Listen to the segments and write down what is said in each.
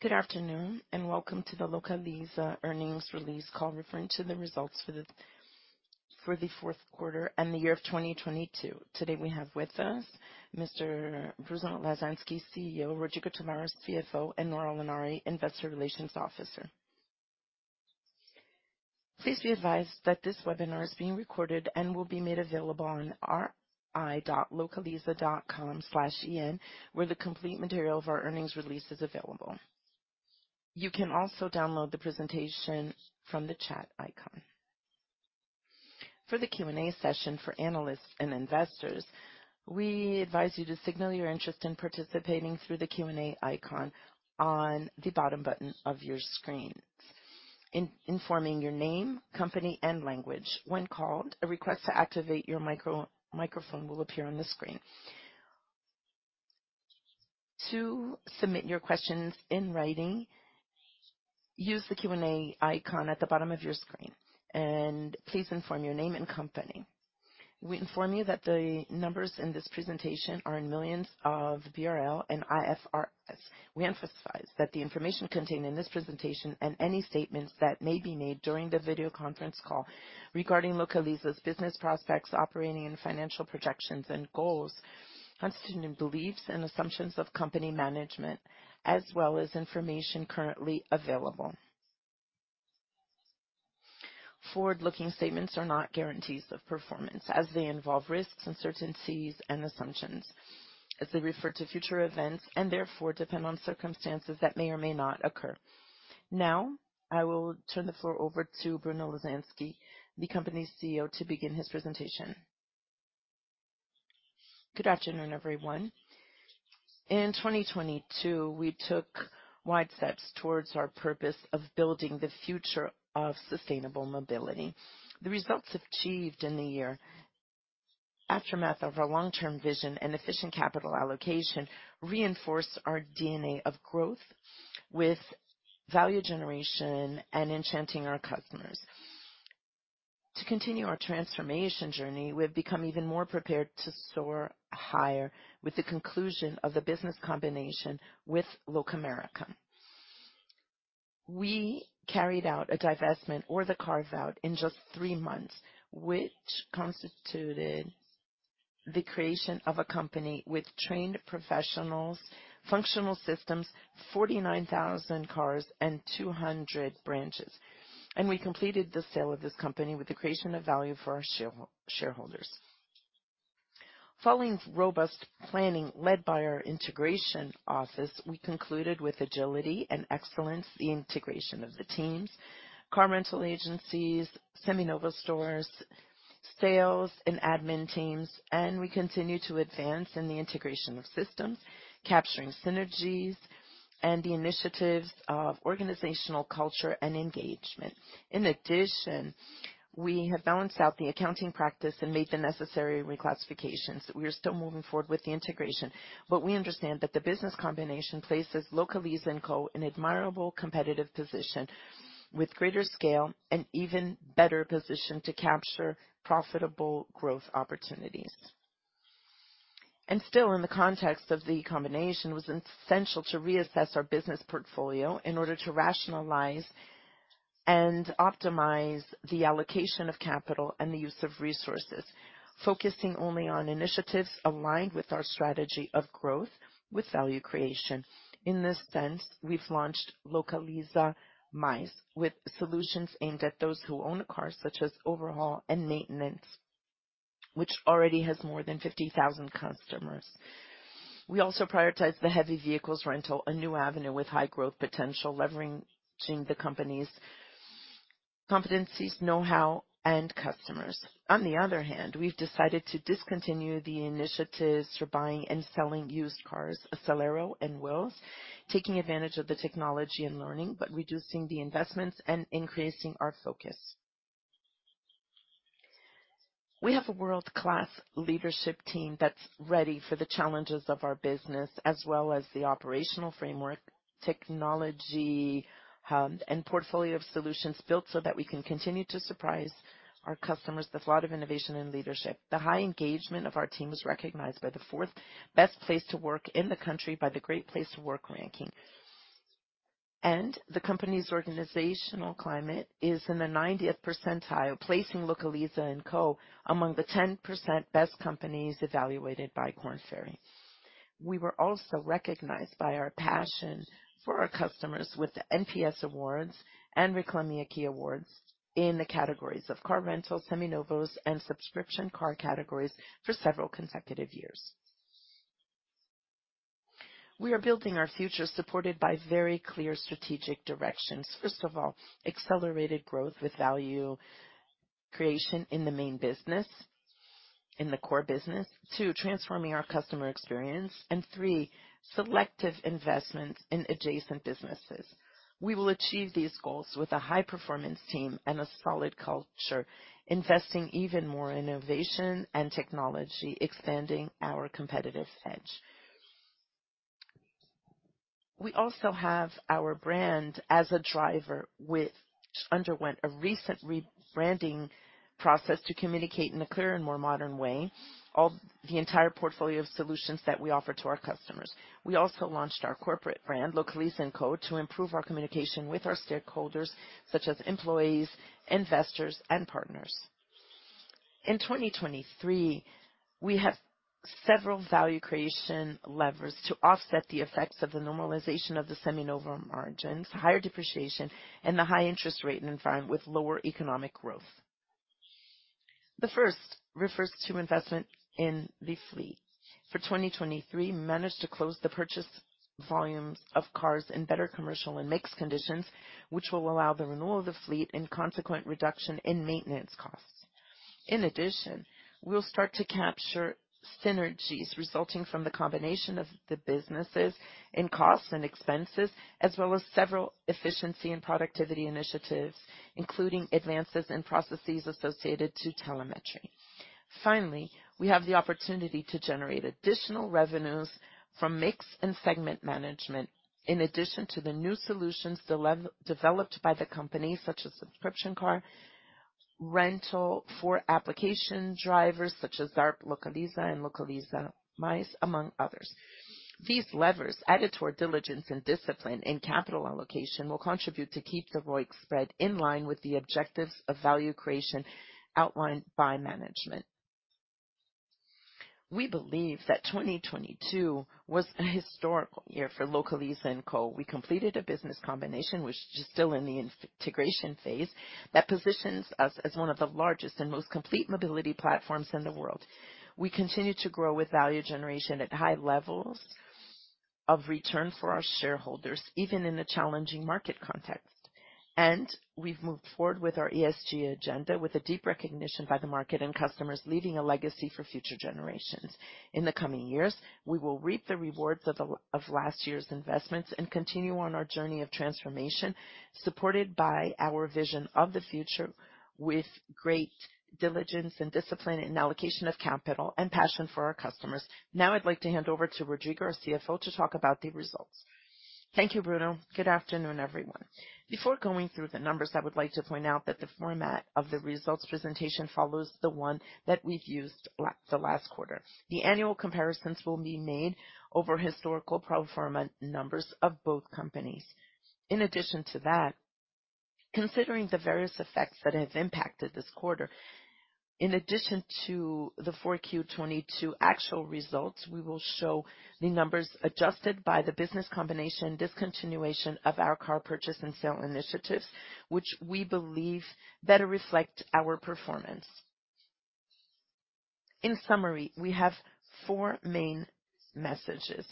Good afternoon, and welcome to the Localiza earnings release call referring to the results for the Q4 and the year of 2022. Today we have with us Mr. Bruno Lasansky, CEO, Rodrigo Tavares, CFO, and Nora Lanari, Investor Relations Officer. Please be advised that this webinar is being recorded and will be made available on ri.localiza.com/en, where the complete material of our earnings release is available. You can also download the presentation from the chat icon. For the Q&A session for analysts and investors, we advise you to signal your interest in participating through the Q&A icon on the bottom button of your screen, informing your name, company, and language. When called, a request to activate your microphone will appear on the screen. To submit your questions in writing, use the Q&A icon at the bottom of your screen and please inform your name and company. We inform you that the numbers in this presentation are in millions of BRL and IFRS. We emphasize that the information contained in this presentation and any statements that may be made during the video conference call regarding Localiza's business prospects, operating and financial projections and goals constitute beliefs and assumptions of company management, as well as information currently available. Forward-looking statements are not guarantees of performance as they involve risks, uncertainties and assumptions, as they refer to future events and therefore depend on circumstances that may or may not occur. Now, I will turn the floor over to Bruno Lasansky, the company's CEO, to begin his presentation. Good afternoon, everyone. In 2022, we took wide steps towards our purpose of building the future of sustainable mobility. The results achieved in the year, aftermath of our long-term vision and efficient capital allocation, reinforce our DNA of growth with value generation and enchanting our customers. To continue our transformation journey, we have become even more prepared to soar higher with the conclusion of the business combination with Locamerica. We carried out a divestment or the carve-out in just three months, which constituted the creation of a company with trained professionals, functional systems, 49,000 cars and 200 branches. We completed the sale of this company with the creation of value for our shareholders. Following robust planning led by our integration office, we concluded with agility and excellence the integration of the teams, car rental agencies, Seminovos stores, sales and admin teams, and we continue to advance in the integration of systems, capturing synergies and the initiatives of organizational culture and engagement. In addition, we have balanced out the accounting practice and made the necessary reclassifications. We are still moving forward with the integration, but we understand that the business combination places Localiza&Co an admirable competitive position with greater scale and even better position to capture profitable growth opportunities. Still, in the context of the combination, it was essential to reassess our business portfolio in order to rationalize and optimize the allocation of capital and the use of resources, focusing only on initiatives aligned with our strategy of growth with value creation. In this sense, we've launched Localiza Mais with solutions aimed at those who own cars such as overhaul and maintenance, which already has more than 50,000 customers. We also prioritize the heavy vehicles rental, a new avenue with high growth potential, leveraging the company's competencies, know-how, and customers. On the other hand, we've decided to discontinue the initiatives for buying and selling used cars, Acelero and Willz, taking advantage of the technology and learning, but reducing the investments and increasing our focus. We have a world-class leadership team that's ready for the challenges of our business, as well as the operational framework, technology, and portfolio of solutions built so that we can continue to surprise our customers with a lot of innovation and leadership. The high engagement of our team was recognized by the 4th best place to work in the country by the Great Place to Work ranking. The company's organizational climate is in the 90th percentile, placing Localiza&Co among the 10% best companies evaluated by Korn Ferry. We were also recognized by our passion for our customers with the NPS Awards and Reclame Aqui awards in the categories of car rental, Seminovos, and subscription car categories for several consecutive years. We are building our future supported by very clear strategic directions. First of all, accelerated growth with value creation in the main business, in the core business. Two, transforming our customer experience. Three, selective investments in adjacent businesses. We will achieve these goals with a high-performance team and a solid culture, investing even more in innovation and technology, expanding our competitive edge. We also have our brand as a driver underwent a recent rebranding process to communicate in a clearer and more modern way, all the entire portfolio of solutions that we offer to our customers. We also launched our corporate brand, Localiza&Co, to improve our communication with our stakeholders, such as employees, investors, and partners. In 2023, we have several value creation levers to offset the effects of the normalization of the Seminovos margins, higher depreciation, and the high interest rate environment with lower economic growth. The first refers to investment in the fleet. For 2023, managed to close the purchase volumes of cars in better commercial and mixed conditions, which will allow the renewal of the fleet and consequent reduction in maintenance costs. we'll start to capture synergies resulting from the combination of the businesses in costs and expenses, as well as several efficiency and productivity initiatives, including advances in processes associated to telemetry. We have the opportunity to generate additional revenues from mix and segment management in addition to the new solutions developed by the company, such as subscription car, rental for application drivers such as Zarp, Localiza, and Localiza Mais, among others. These levers, added to our diligence and discipline in capital allocation, will contribute to keep the ROIC spread in line with the objectives of value creation outlined by management. We believe that 2022 was a historical year for Localiza&Co. We completed a business combination, which is still in the integration phase, that positions us as one of the largest and most complete mobility platforms in the world. We continue to grow with value generation at high levels of return for our shareholders, even in a challenging market context. We've moved forward with our ESG agenda with a deep recognition by the market and customers, leaving a legacy for future generations. In the coming years, we will reap the rewards of last year's investments and continue on our journey of transformation, supported by our vision of the future with great diligence and discipline in allocation of capital and passion for our customers. Now I'd like to hand over to Rodrigo, our CFO, to talk about the results. Thank you, Bruno. Good afternoon, everyone. Before going through the numbers, I would like to point out that the format of the results presentation follows the one that we've used the last quarter. The annual comparisons will be made over historical pro forma numbers of both companies. Considering the various effects that have impacted this quarter, in addition to the 4Q22 actual results, we will show the numbers adjusted by the business combination discontinuation of our car purchase and sale initiatives, which we believe better reflect our performance. We have four main messages.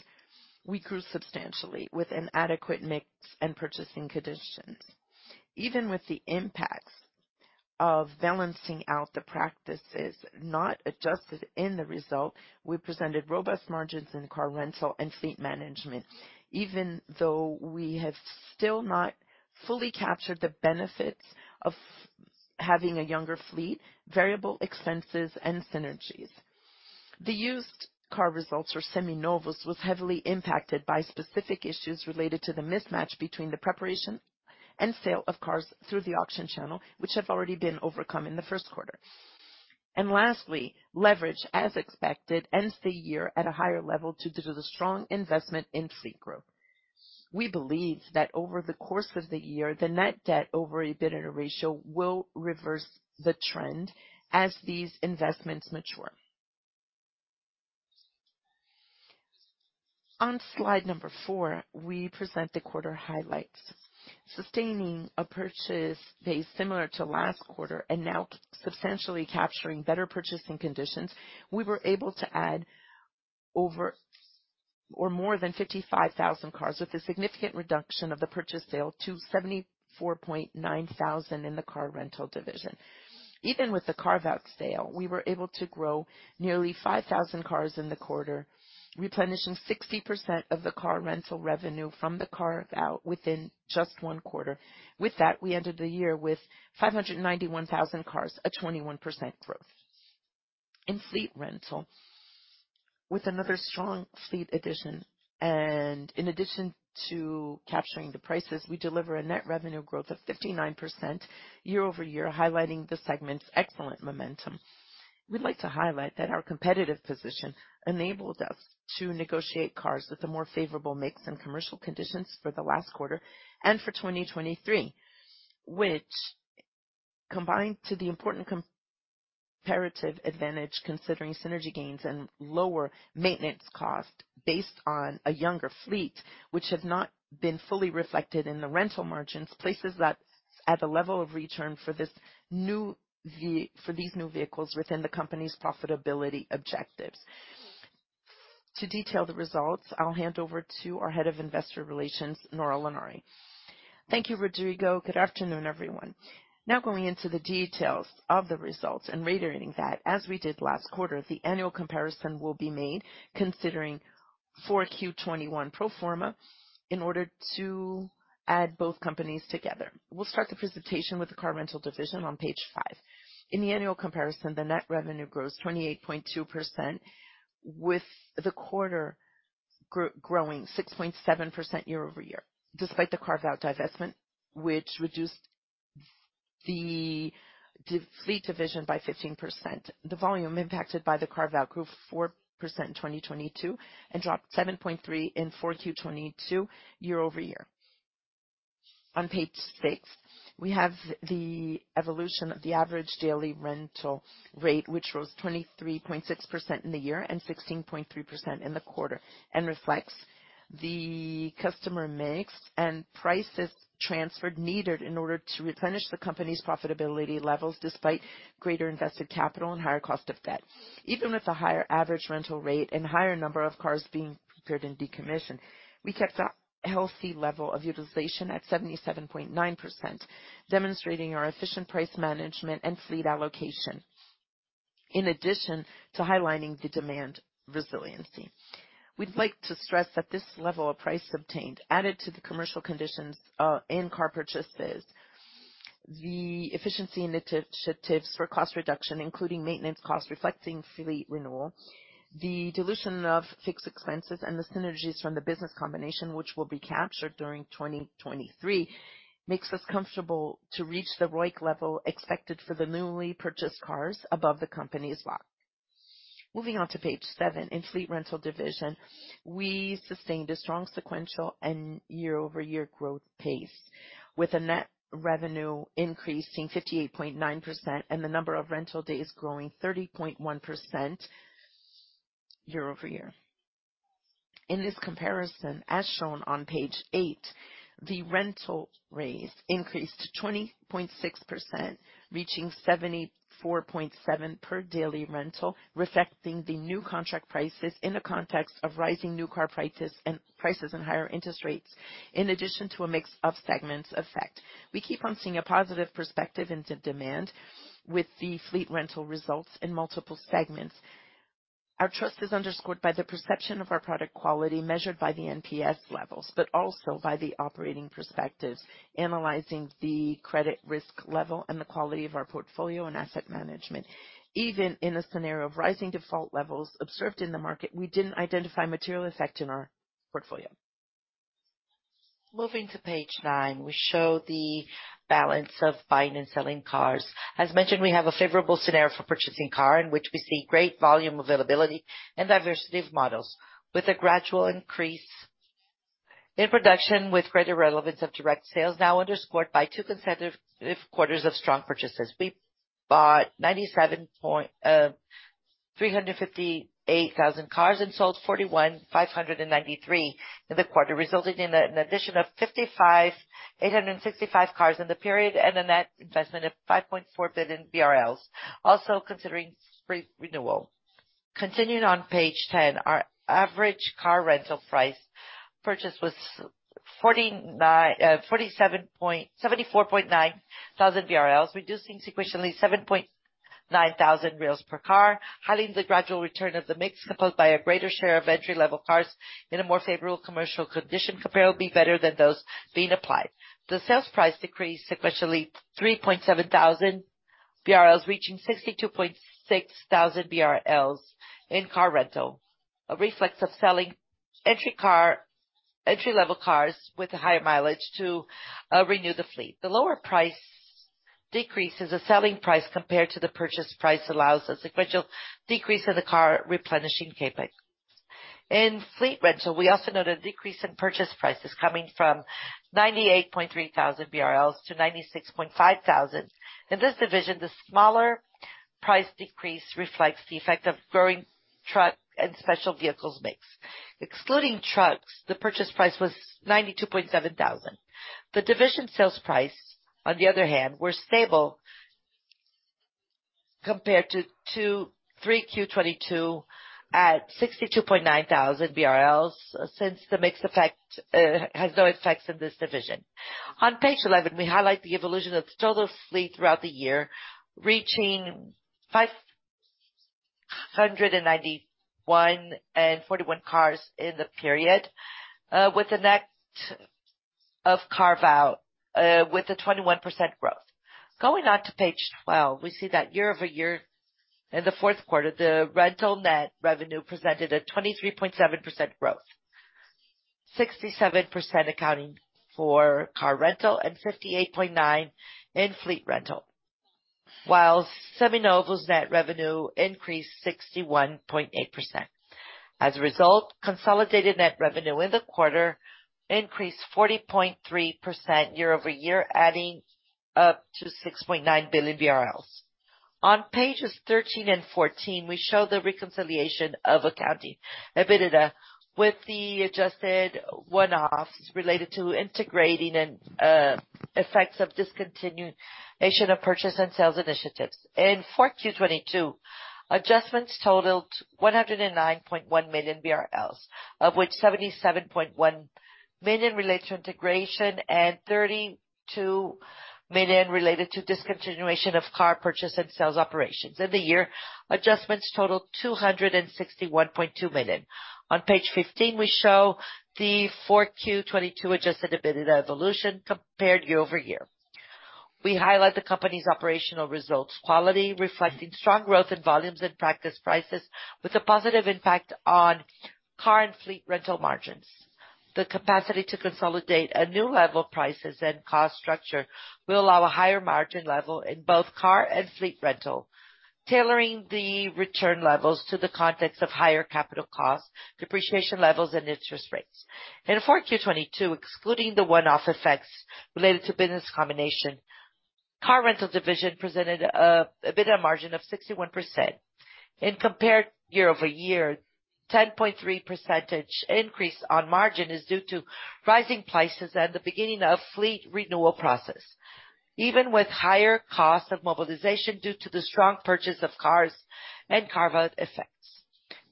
We grew substantially with an adequate mix and purchasing conditions. Even with the impacts of balancing out the practices not adjusted in the result, we presented robust margins in car rental and fleet management. Even though we have still not fully captured the benefits of having a younger fleet, variable expenses and synergies. The used car results or Seminovos was heavily impacted by specific issues related to the mismatch between the preparation and sale of cars through the auction channel, which have already been overcome in the Q1. Lastly, leverage, as expected, ends the year at a higher level due to the strong investment in fleet growth. We believe that over the course of the year, the net debt over EBITDA ratio will reverse the trend as these investments mature. On Slide four, we present the quarter highlights. Sustaining a purchase pace similar to last quarter and now substantially capturing better purchasing conditions, we were able to add over or more than 55,000 cars, with a significant reduction of the purchase sale to 74.9 thousand in the car rental division. Even with the carve-out sale, we were able to grow nearly 5,000 cars in the quarter, replenishing 60% of the car rental revenue from the carve out within just one quarter. With that, we ended the year with 591,000 cars, a 21% growth. In fleet rental, with another strong fleet addition, in addition to capturing the prices, we deliver a net revenue growth of 59% year-over-year, highlighting the segment's excellent momentum. We'd like to highlight that our competitive position enables us to negotiate cars with the more favorable makes and commercial conditions for the last quarter and for 2023. Which combined to the important comparative advantage, considering synergy gains and lower maintenance cost based on a younger fleet, which have not been fully reflected in the rental margins, places that at the level of return for these new vehicles within the company's profitability objectives. To detail the results, I'll hand over to our Head of Investor Relations, Nora Lanari. Thank you, Rodrigo. Good afternoon, everyone. Going into the details of the results and reiterating that, as we did last quarter, the annual comparison will be made considering Q4 2021 pro forma in order to add both companies together. We'll start the presentation with the car rental division on Page five. In the annual comparison, the net revenue grows 28.2%, with the quarter growing 6.7% year-over-year, despite the carve-out divestment, which reduced. The the-fleet division by 15%, the volume impacted by the carve-out group 4% in 2022 and dropped 7.3% in 4Q 2022 year-over-year. On Page six, we have the evolution of the average daily rental rate, which rose 23.6% in the year and 16.3% in the quarter, and reflects the customer mix and prices transferred, needed in order to replenish the company's profitability levels despite greater invested capital and higher cost of debt. Even with a higher average rental rate and higher number of cars being prepared and decommissioned, we kept a healthy level of utilization at 77.9%, demonstrating our efficient price management and fleet allocation in addition to highlighting the demand resiliency. We'd like to stress that this level of price obtained added to the commercial conditions, car purchases, the efficiency initiatives for cost reduction, including maintenance costs reflecting fleet renewal, the dilution of fixed expenses, and the synergies from the business combination, which will be captured during 2023, makes us comfortable to reach the ROIC level expected for the newly purchased cars above the company's lock. Moving on to Page seven. In Fleet Rental division, we sustained a strong sequential and year-over-year growth pace, with a net revenue increasing 58.9% and the number of rental days growing 30.1% year-over-year. In this comparison, as shown on Page eight, the rental rates increased to 20.6%, reaching 74.7 per daily rental, reflecting the new contract prices in the context of rising new car prices and higher interest rates, in addition to a mix of segments effect. We keep on seeing a positive perspective into demand with the fleet rental results in multiple segments. Our trust is underscored by the perception of our product quality measured by the NPS levels, but also by the operating perspectives, analyzing the credit risk level and the quality of our portfolio and asset management. Even in a scenario of rising default levels observed in the market, we didn't identify material effect in our portfolio. Moving to Page nine, we show the balance of buying and selling cars. As mentioned, we have a favorable scenario for purchasing car in which we see great volume availability and diversity of models with a gradual increase in production, with greater relevance of direct sales now underscored by two consecutive quarters of strong purchases. We bought 97,358 cars and sold 41,593 in the quarter, resulting in an addition of 55,865 cars in the period and a net investment of 5.4 billion BRL also considering fleet renewal. Continuing on Page 10. Our average car rental price purchase was 74.9 thousand BRL, reducing sequentially 7.9 thousand per car, highlighting the gradual return of the mix composed by a greater share of entry-level cars in a more favorable commercial condition compared will be better than those being applied. The sales price decreased sequentially 3.7 thousand BRL, reaching 62.6 thousand BRL in car rental, a reflex of selling entry-level cars with a higher mileage to renew the fleet. The lower price decreases the selling price compared to the purchase price allows a sequential decrease in the car replenishing CapEx. In fleet rental, we also note a decrease in purchase prices coming from 98.3 thousand BRL to 96.5 thousand. In this division, the smaller price decrease reflects the effect of growing truck and special vehicles mix. Excluding trucks, the purchase price was 92.7 thousand. The division sales price, on the other hand, were stable compared to 3Q22 at 62.9 thousand BRL since the mix effect has no effects in this division. On Page 11, we highlight the evolution of total fleet throughout the year, reaching 591,041 cars in the period, with a net of carve-out, with a 21% growth. On Page 12, we see that year-over-year in the Q4, the rental net revenue presented a 23.7% growth, 67% accounting for car rental and 58.9% in fleet rental, while Seminovos net revenue increased 61.8%. As a result, consolidated net revenue in the quarter increased 40.3% year-over-year, adding up to 6.9 billion BRL. On Pages 13 and 14, we show the reconciliation of accounting EBITDA with the adjusted one-offs related to integrating and effects of discontinuation of purchase and sales initiatives. In Q4 2022, adjustments totaled 109.1 million BRL, of which 77.1 million relates to integration and 32 million related to discontinuation of car purchase and sales operations. In the year, adjustments totaled 261.2 million. On Page 15, we show the Q4 2022 adjusted EBITDA evolution compared year-over-year. We highlight the company's operational results quality, reflecting strong growth in volumes and practice prices, with a positive impact on car and fleet rental margins. The capacity to consolidate a new level of prices and cost structure will allow a higher margin level in both car and fleet rental, tailoring the return levels to the context of higher capital costs, depreciation levels, and interest rates. In Q4 2022, excluding the one-off effects related to business combination, car rental division presented a EBITDA margin of 61% and compared year-over-year 10.3 percentage increase on margin is due to rising prices at the beginning of fleet renewal process, even with higher costs of mobilization due to the strong purchase of cars and carve-out effects.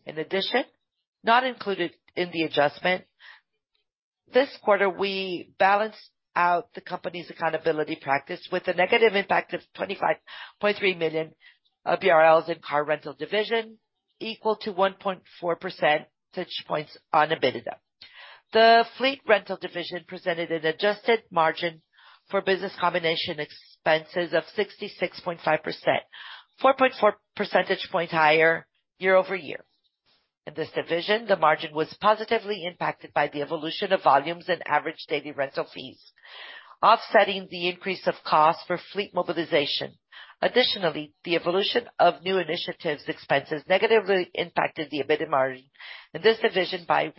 In addition, not included in the adjustment, this quarter we balanced out the company's accountability practice with a negative impact of 25.3 million BRL in car rental division equal to 1.4 percentage points on EBITDA. The fleet rental division presented an adjusted margin for business combination expenses of 66.5%, 4.4 percentage points higher year-over-year. In this division, the margin was positively impacted by the evolution of volumes and average daily rental fees, offsetting the increase of costs for fleet mobilization. The evolution of new initiatives expenses negatively impacted the EBITDA margin, in this division by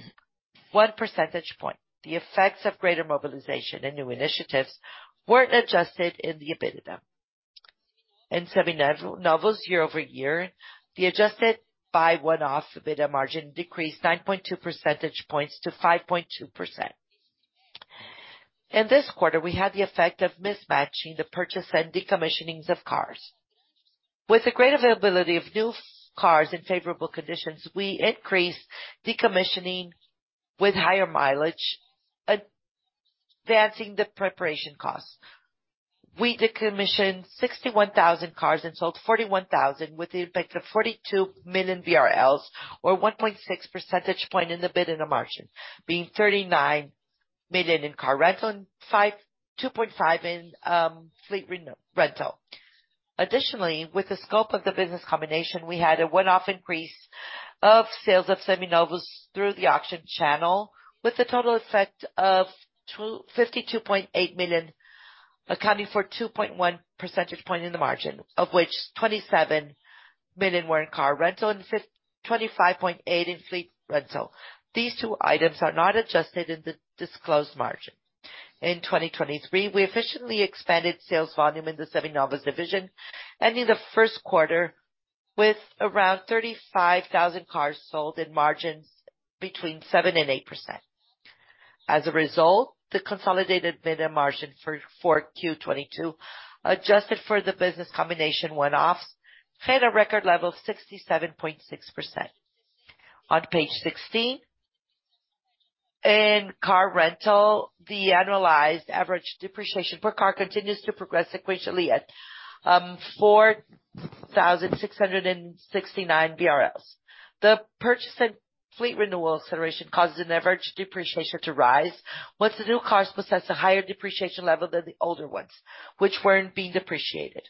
1 percentage point. The effects of greater mobilization and new initiatives weren't adjusted in the EBITDA. In Seminovos year-over-year, the adjusted by one-off EBITDA margin decreased 9.2 percentage points to 5.2%. In this quarter, we had the effect of mismatching the purchase and decommissioning of cars. With the great availability of new cars in favorable conditions, we increased decommissioning with higher mileage, advancing the preparation costs. We decommissioned 61,000 cars and sold 41,000 with the impact of 42 million BRL or 1.6 percentage point in the EBITDA margin, being 39 million in car rental and 2.5 in fleet rental. With the scope of the business combination, we had a one-off increase of sales of Seminovos through the auction channel with a total effect of 52.8 million, accounting for 2.1 percentage point in the margin, of which 27 million were in car rental and 25.8 million in fleet rental. These two items are not adjusted in the disclosed margin. In 2023, we efficiently expanded sales volume in the Seminovos division, ending the Q1 with around 35,000 cars sold in margins between 7% and 8%. The consolidated EBITDA margin for Q4 2022, adjusted for the business combination one-offs, hit a record level of 67.6%. On Page 16, in car rental, the annualized average depreciation per car continues to progress sequentially at 4,669 BRL. The purchase and fleet renewal acceleration causes an average depreciation to rise, once the new cars possess a higher depreciation level than the older ones, which weren't being depreciated.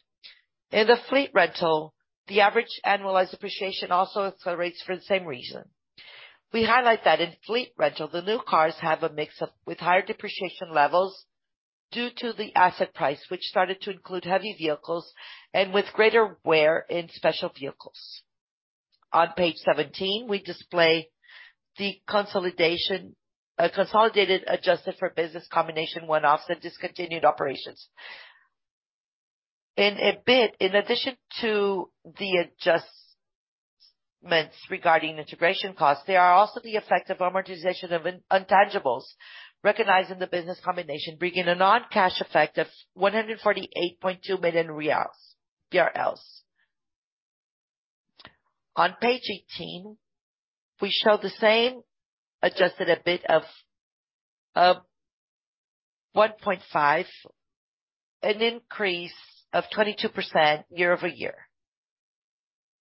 In the fleet rental, the average annualized depreciation also accelerates for the same reason. We highlight that in fleet rental, the new cars have a mix of with higher depreciation levels due to the asset price, which started to include heavy vehicles and with greater wear in special vehicles. On Page 17, we display the consolidated adjusted for business combination one-offs and discontinued operations. In EBIT, in addition to the adjustments regarding integration costs, there are also the effect of amortization of intangibles recognized in the business combination, bringing a non-cash effect of BRL 148.2 million. On Page 18, we show the same adjusted EBIT of 1.5, an increase of 22% year-over-year.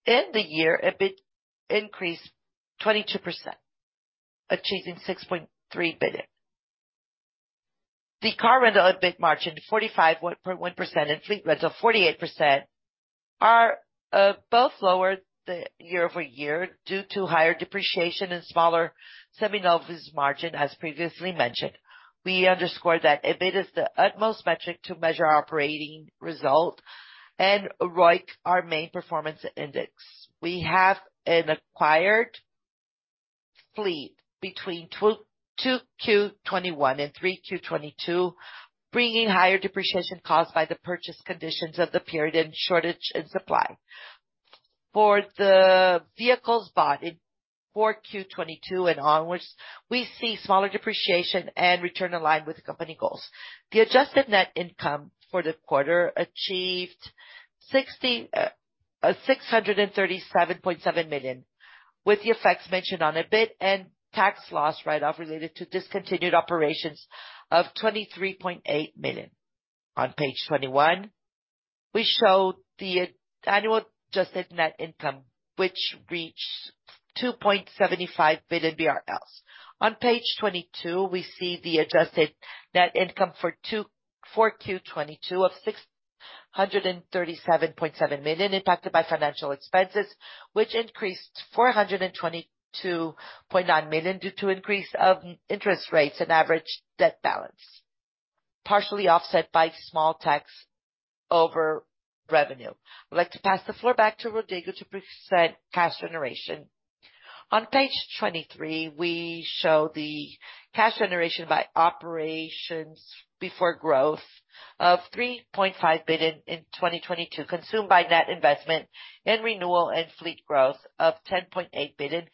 In the year, EBIT increased 22%, achieving 6.3 billion. The car rental EBIT margin 45.1% and fleet rental 48% are both lower than year-over-year due to higher depreciation and smaller Seminovos margin as previously mentioned. We underscore that EBIT is the utmost metric to measure operating result and ROIC, our main performance index. We have an acquired fleet between Q2 2021 and Q3 2022, bringing higher depreciation caused by the purchase conditions of the period and shortage and supply. For the vehicles bought in Q4 2022 and onwards, we see smaller depreciation and return in line with the company goals. The adjusted net income for the quarter achieved 637.7 million, with the effects mentioned on EBIT and tax loss write-off related to discontinued operations of 23.8 million. On Page 21, we show the annual adjusted net income, which reached 2.75 billion BRL. On Page 22, we see the adjusted net income for Q22 of 637.7 million impacted by financial expenses, which increased 422.9 million due to increase of interest rates and average debt balance, partially offset by small tax over revenue. I'd like to pass the floor back to Rodrigo to present cash generation. On Page 23, we show the cash generation by operations before growth of 3.5 billion in 2022, consumed by net investment in renewal and fleet growth of 10.8 billion,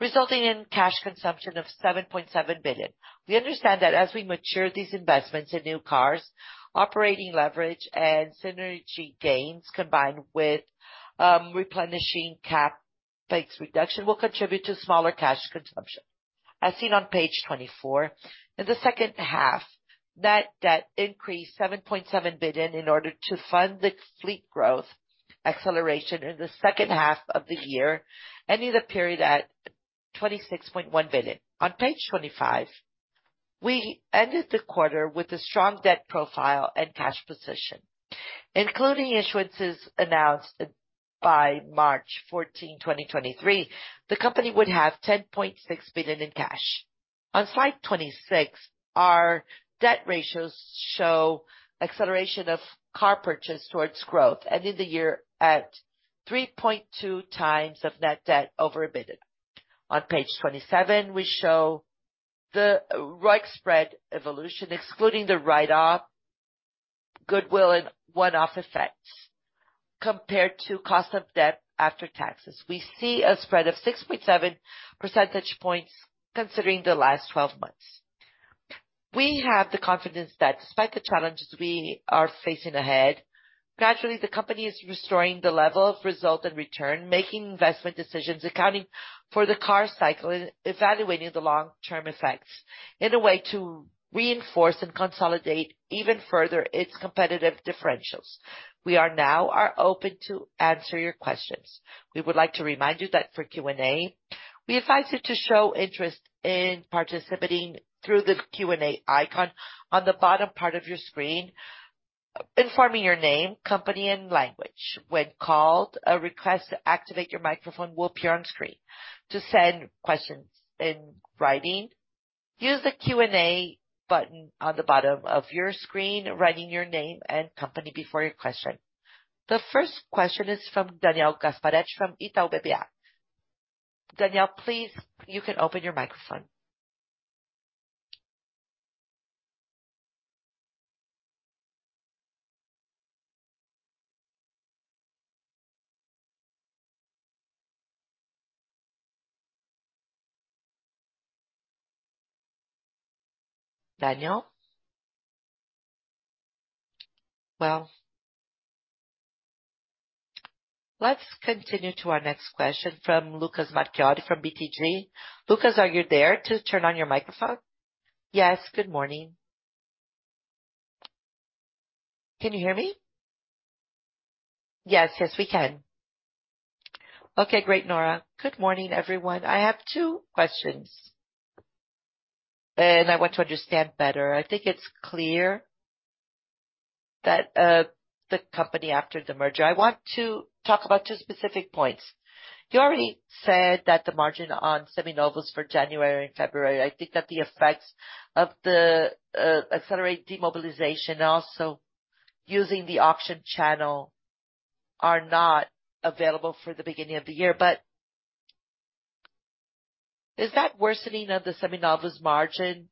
resulting in cash consumption of 7.7 billion. We understand that as we mature these investments in new cars, operating leverage and synergy gains, combined with replenishing CapEx reduction, will contribute to smaller cash consumption. As seen on Page 24, in the second half, net debt increased 7.7 billion in order to fund the fleet growth acceleration in the second half of the year, ending the period at 26.1 billion. On Page 25, we ended the quarter with a strong debt profile and cash position, including issuances announced by March 14, 2023, the company would have 10.6 billion in cash. On Slide 26, our debt ratios show acceleration of car purchase towards growth ending the year at 3.2 times of net debt over BRL 1 billion. On Page 27, we show the ROIC spread evolution, excluding the write-off, goodwill and one-off effects. Compared to cost of debt after taxes, we see a spread of 6.7 percentage points considering the last 12 months. We have the confidence that despite the challenges we are facing ahead, gradually the company is restoring the level of result and return, making investment decisions, accounting for the car cycle, and evaluating the long-term effects in a way to reinforce and consolidate even further its competitive differentials. We are now open to answer your questions. We would like to remind you that for Q&A, we advise you to show interest in participating through the Q&A icon on the bottom part of your screen, informing your name, company, and language. When called, a request to activate your microphone will appear on screen. To send questions in writing, use the Q&A button on the bottom of your screen, writing your name and company before your question. The first question is from Daniel Gasparete from Itaú BBA. Daniel, please, you can open your microphone. Daniel? Well... Let's continue to our next question from Lucas Marquiori from BTG. Lucas, are you there to turn on your microphone? Good morning. Can you hear me? We can. Great, Nora. Good morning, everyone. I have two questions. I want to understand better. I think it's clear that the company after the merger... I want to talk about two specific points. You already said that the margin on Seminovos for January and February, I think that the effects of the accelerated mobilization, also using the auction channel, are not available for the beginning of the year, is that worsening of the Seminovos margin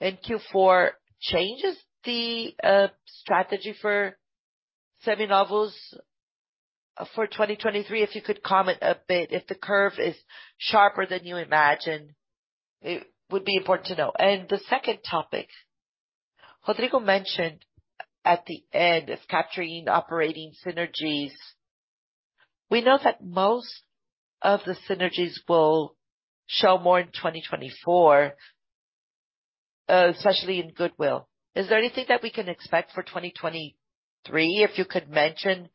in Q4 changes the strategy for Seminovos for 2023? If you could comment a bit, if the curve is sharper than you imagined, it would be important to know. The second topic, Rodrigo mentioned at the end is capturing operating synergies. We know that most of the synergies will show more in 2024, especially in goodwill. Is there anything that we can expect for 2023? If you could mention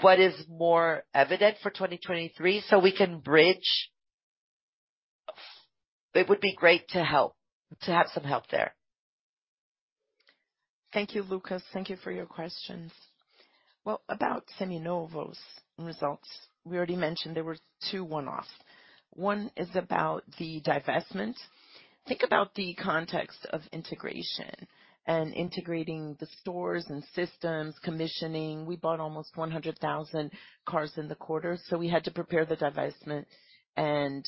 what is more evident for 2023 so we can bridge. It would be great to have some help there. Thank you, Lucas. Thank you for your questions. Well, about Seminovos results, we already mentioned there were two one-off. One is about the divestment. Think about the context of integration and integrating the stores and systems, commissioning. We bought almost 100,000 cars in the quarter, so we had to prepare the divestment and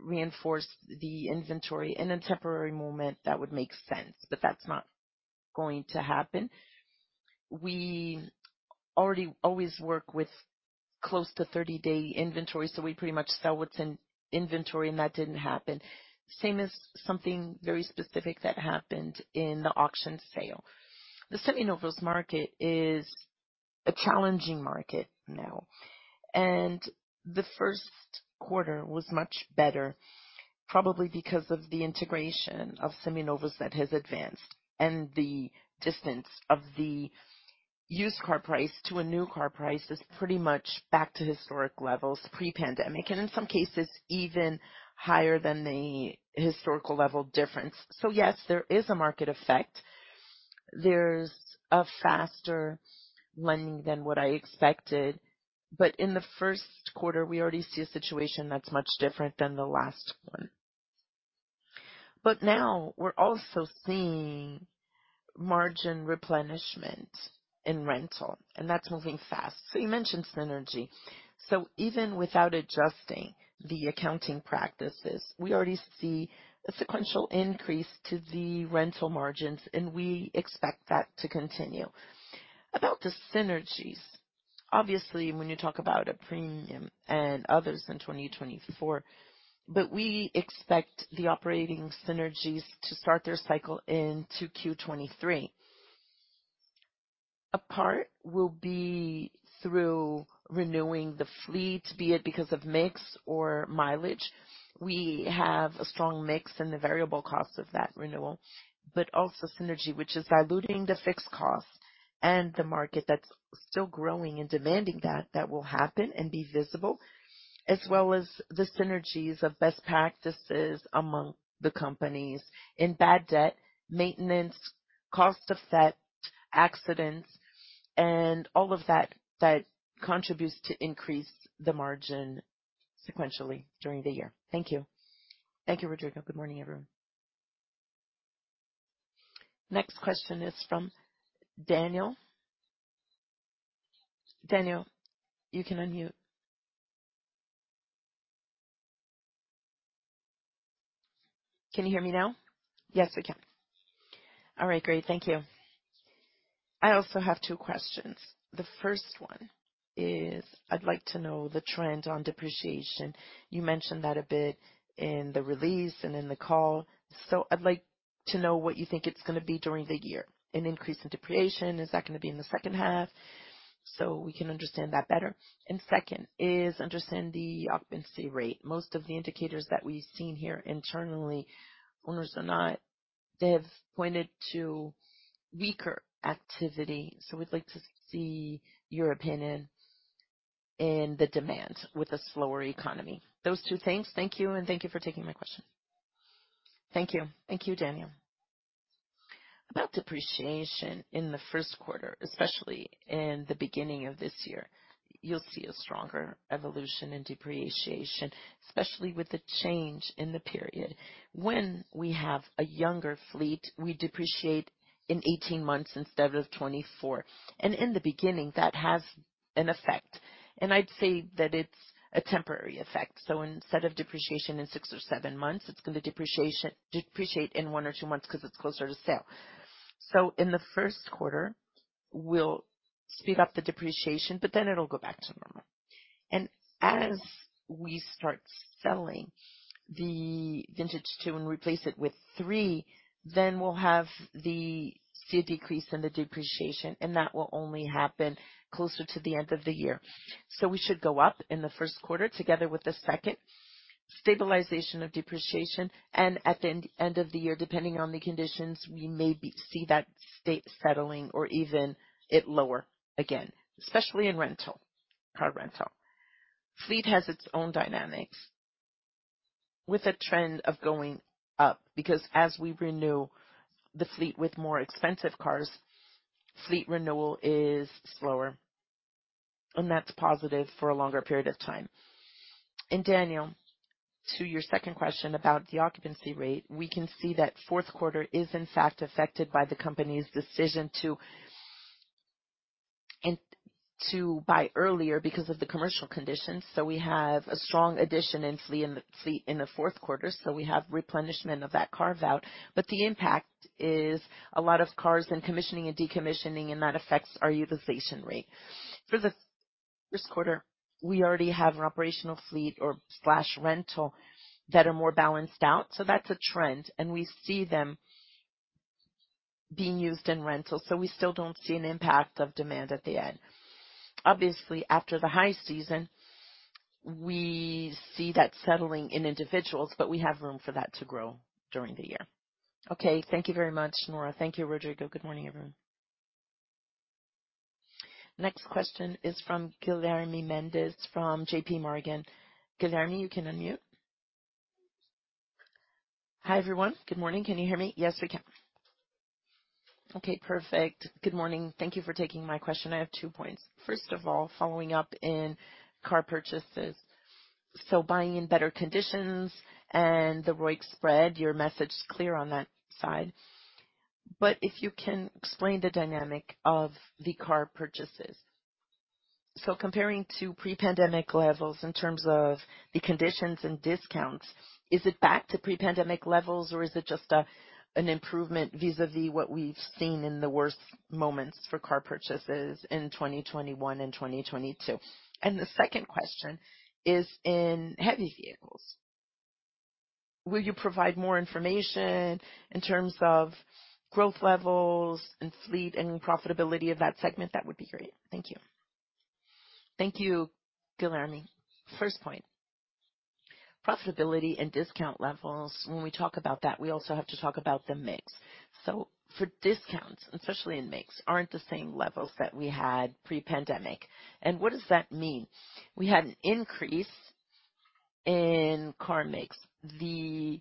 reinforce the inventory in a temporary moment that would make sense, but that's not going to happen. We already always work with close to 30-day inventory, so we pretty much sell what's in inventory and that didn't happen. Same as something very specific that happened in the auction sale. The Seminovos market is a challenging market now, and the Q1 was much better, probably because of the integration of Seminovos that has advanced and the distance of. Used car price to a new car price is pretty much back to historic levels pre-pandemic, and in some cases even higher than the historical level difference. Yes, there is a market effect. There's a faster lending than what I expected. In the Q1, we already see a situation that's much different than the last one. Now we're also seeing margin replenishment in rental, and that's moving fast. You mentioned synergy. Even without adjusting the accounting practices, we already see a sequential increase to the rental margins, and we expect that to continue. About the synergies, obviously, when you talk about a premium and others in 2024, but we expect the operating synergies to start their cycle into Q23. A part will be through renewing the fleet, be it because of mix or mileage. We have a strong mix in the variable cost of that renewal, also synergy, which is diluting the fixed cost the market that's still growing and demanding that will happen and be visible, as well as the synergies of best practices among the companies in bad debt, maintenance, cost of debt, accidents and all of that contributes to increase the margin sequentially during the year. Thank you. Thank you, Rodrigo. Good morning, everyone. Next question is from Daniel. Daniel, you can unmute. Can you hear me now? Yes, we can. All right, great. Thank you. I also have two questions. The first one is I'd like to know the trend on depreciation. You mentioned that a bit in the release and in the call. I'd like to know what you think it's gonna be during the year. An increase in depreciation, is that gonna be in the second half? We can understand that better. Second is understand the occupancy rate. Most of the indicators that we've seen here internally, owners or not, they have pointed to weaker activity. We'd like to see your opinion in the demand with a slower economy. Those two things. Thank you, and thank you for taking my question. Thank you. Thank you, Daniel. About depreciation in the Q1, especially in the beginning of this year, you'll see a stronger evolution in depreciation, especially with the change in the period. When we have a younger fleet, we depreciate in 18 months instead of 24. In the beginning, that has an effect, and I'd say that it's a temporary effect. Instead of depreciation in six or seven months, it's gonna depreciate in one or two months because it's closer to sale. In the Q1, we'll speed up the depreciation, but then it'll go back to normal. As we start selling the vintage two and replace it with three, then we'll have the see a decrease in the depreciation, and that will only happen closer to the end of the year. We should go up in the Q1 together with the second stabilization of depreciation. At the end of the year, depending on the conditions, we may be see that state settling or even it lower again, especially in rental, car rental. Fleet has its own dynamics with a trend of going up, because as we renew the fleet with more expensive cars, fleet renewal is slower, and that's positive for a longer period of time. Daniel, to your second question about the occupancy rate, we can see that Q4 is in fact affected by the company's decision to buy earlier because of the commercial conditions. We have a strong addition in the fleet in the Q4, so we have replenishment of that car vault. The impact is a lot of cars and commissioning and decommissioning, and that affects our utilization rate. For the Q1, we already have an operational fleet or slash rental that are more balanced out. That's a trend, and we see them being used in rental. We still don't see an impact of demand at the end. Obviously, after the high season, we see that settling in individuals, but we have room for that to grow during the year. Thank you very much, Nora. Thank you, Rodrigo. Good morning, everyone. Next question is from Guilherme Mendes from JPMorgan. Guilherme, you can unmute. Hi, everyone. Good morning. Can you hear me? Yes, we can. Perfect. Good morning. Thank you for taking my question. I have two points. First of all, following up in car purchases. Buying in better conditions and the ROIC spread, your message is clear on that side. If you can explain the dynamic of the car purchases. Comparing to pre-pandemic levels in terms of the conditions and discounts, is it back to pre-pandemic levels or is it just an improvement vis-a-vis what we've seen in the worst moments for car purchases in 2021 and 2022? The second question is in heavy vehicles. Will you provide more information in terms of growth levels and fleet and profitability of that segment? That would be great. Thank you. Thank you, Guilherme. First point. Profitability and discount levels. When we talk about that, we also have to talk about the mix. For discounts, especially in mix, aren't the same levels that we had pre-pandemic. What does that mean? We had an increase in car mix. The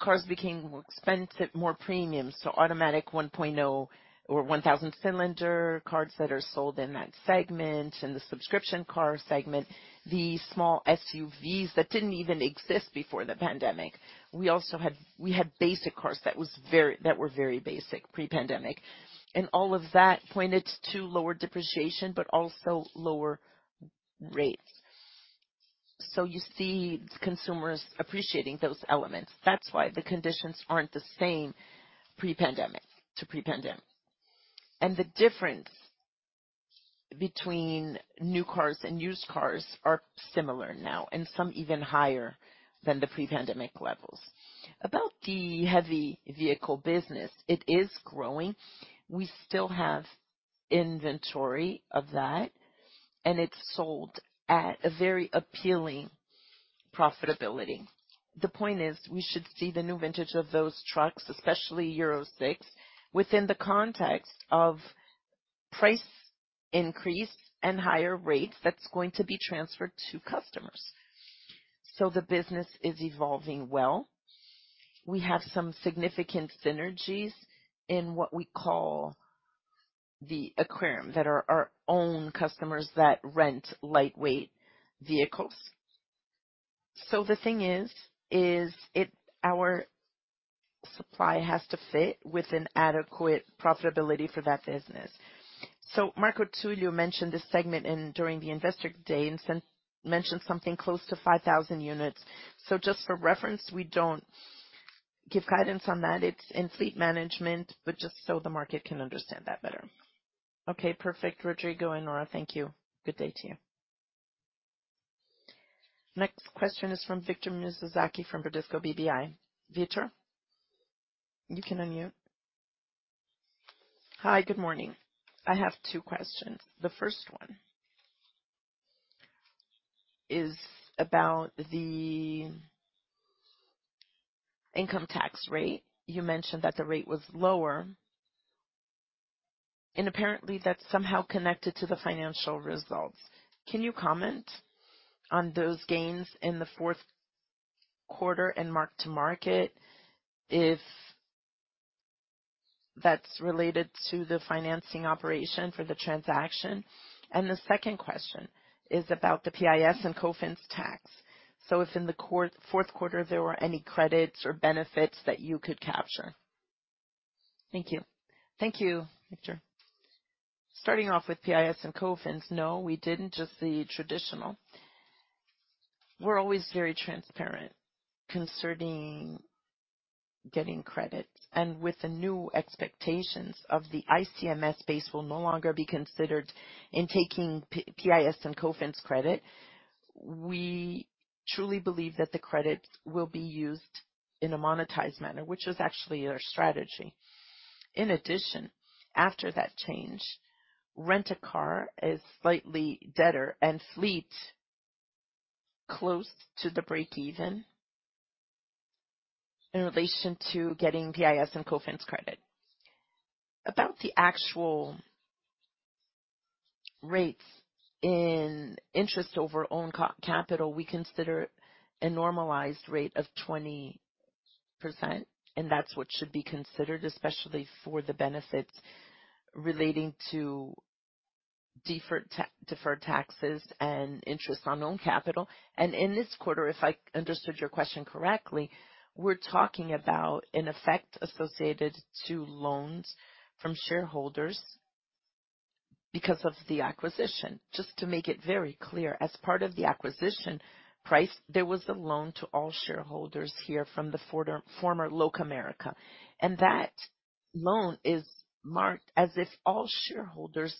cars became more expensive, more premium. Automatic 1.0 or 1,000 cylinder cars that are sold in that segment and the subscription car segment, the small SUVs that didn't even exist before the pandemic. We also had, we had basic cars that were very basic pre-pandemic, and all of that pointed to lower depreciation but also lower rates. You see consumers appreciating those elements. That's why the conditions aren't the same pre-pandemic to pre-pandemic. The difference between new cars and used cars are similar now, and some even higher than the pre-pandemic levels. About the heavy vehicle business, it is growing. We still have inventory of that, and it's sold at a very appealing profitability. The point is we should see the new vintage of those trucks, especially Euro 6, within the context of price increase and higher rates that's going to be transferred to customers. The business is evolving well. We have some significant synergies in what we call the aquarium that are our own customers that rent lightweight vehicles. The thing is, our supply has to fit with an adequate profitability for that business. Marco Tulio mentioned this segment during the investor day and mentioned something close to 5,000 units. Just for reference, we don't give guidance on that. It's in fleet management, but just so the market can understand that better. Okay, perfect. Rodrigo and Nora, thank you. Good day to you. Next question is from Victor Mizusaki from Bradesco BBI. Victor, you can unmute. Hi. Good morning. I have two questions. The first one is about the income tax rate. You mentioned that the rate was lower and apparently that's somehow connected to the financial results. Can you comment on those gains in the Q4 and mark-to-market if that's related to the financing operation for the transaction? The second question is about the PIS and COFINS tax. If in the Q4 there were any credits or benefits that you could capture? Thank you. Thank you, Victor. Starting off with PIS and COFINS. No, we didn't. Just the traditional. We're always very transparent concerning getting credit and with the new expectations of the ICMS base will no longer be considered in taking PIS and COFINS credit. We truly believe that the credit will be used in a monetized manner, which is actually our strategy. In addition, after that change, rent-a-car is slightly better and fleet close to the break even in relation to getting PIS and COFINS credit. About the actual rates in interest over own capital, we consider a normalized rate of 20% and that's what should be considered especially for the benefits relating to deferred taxes and interest on own capital. In this quarter, if I understood your question correctly, we're talking about an effect associated to loans from shareholders because of the acquisition. Just to make it very clear, as part of the acquisition price, there was a loan to all shareholders here from the former Locamerica, and that loan is marked as if all shareholders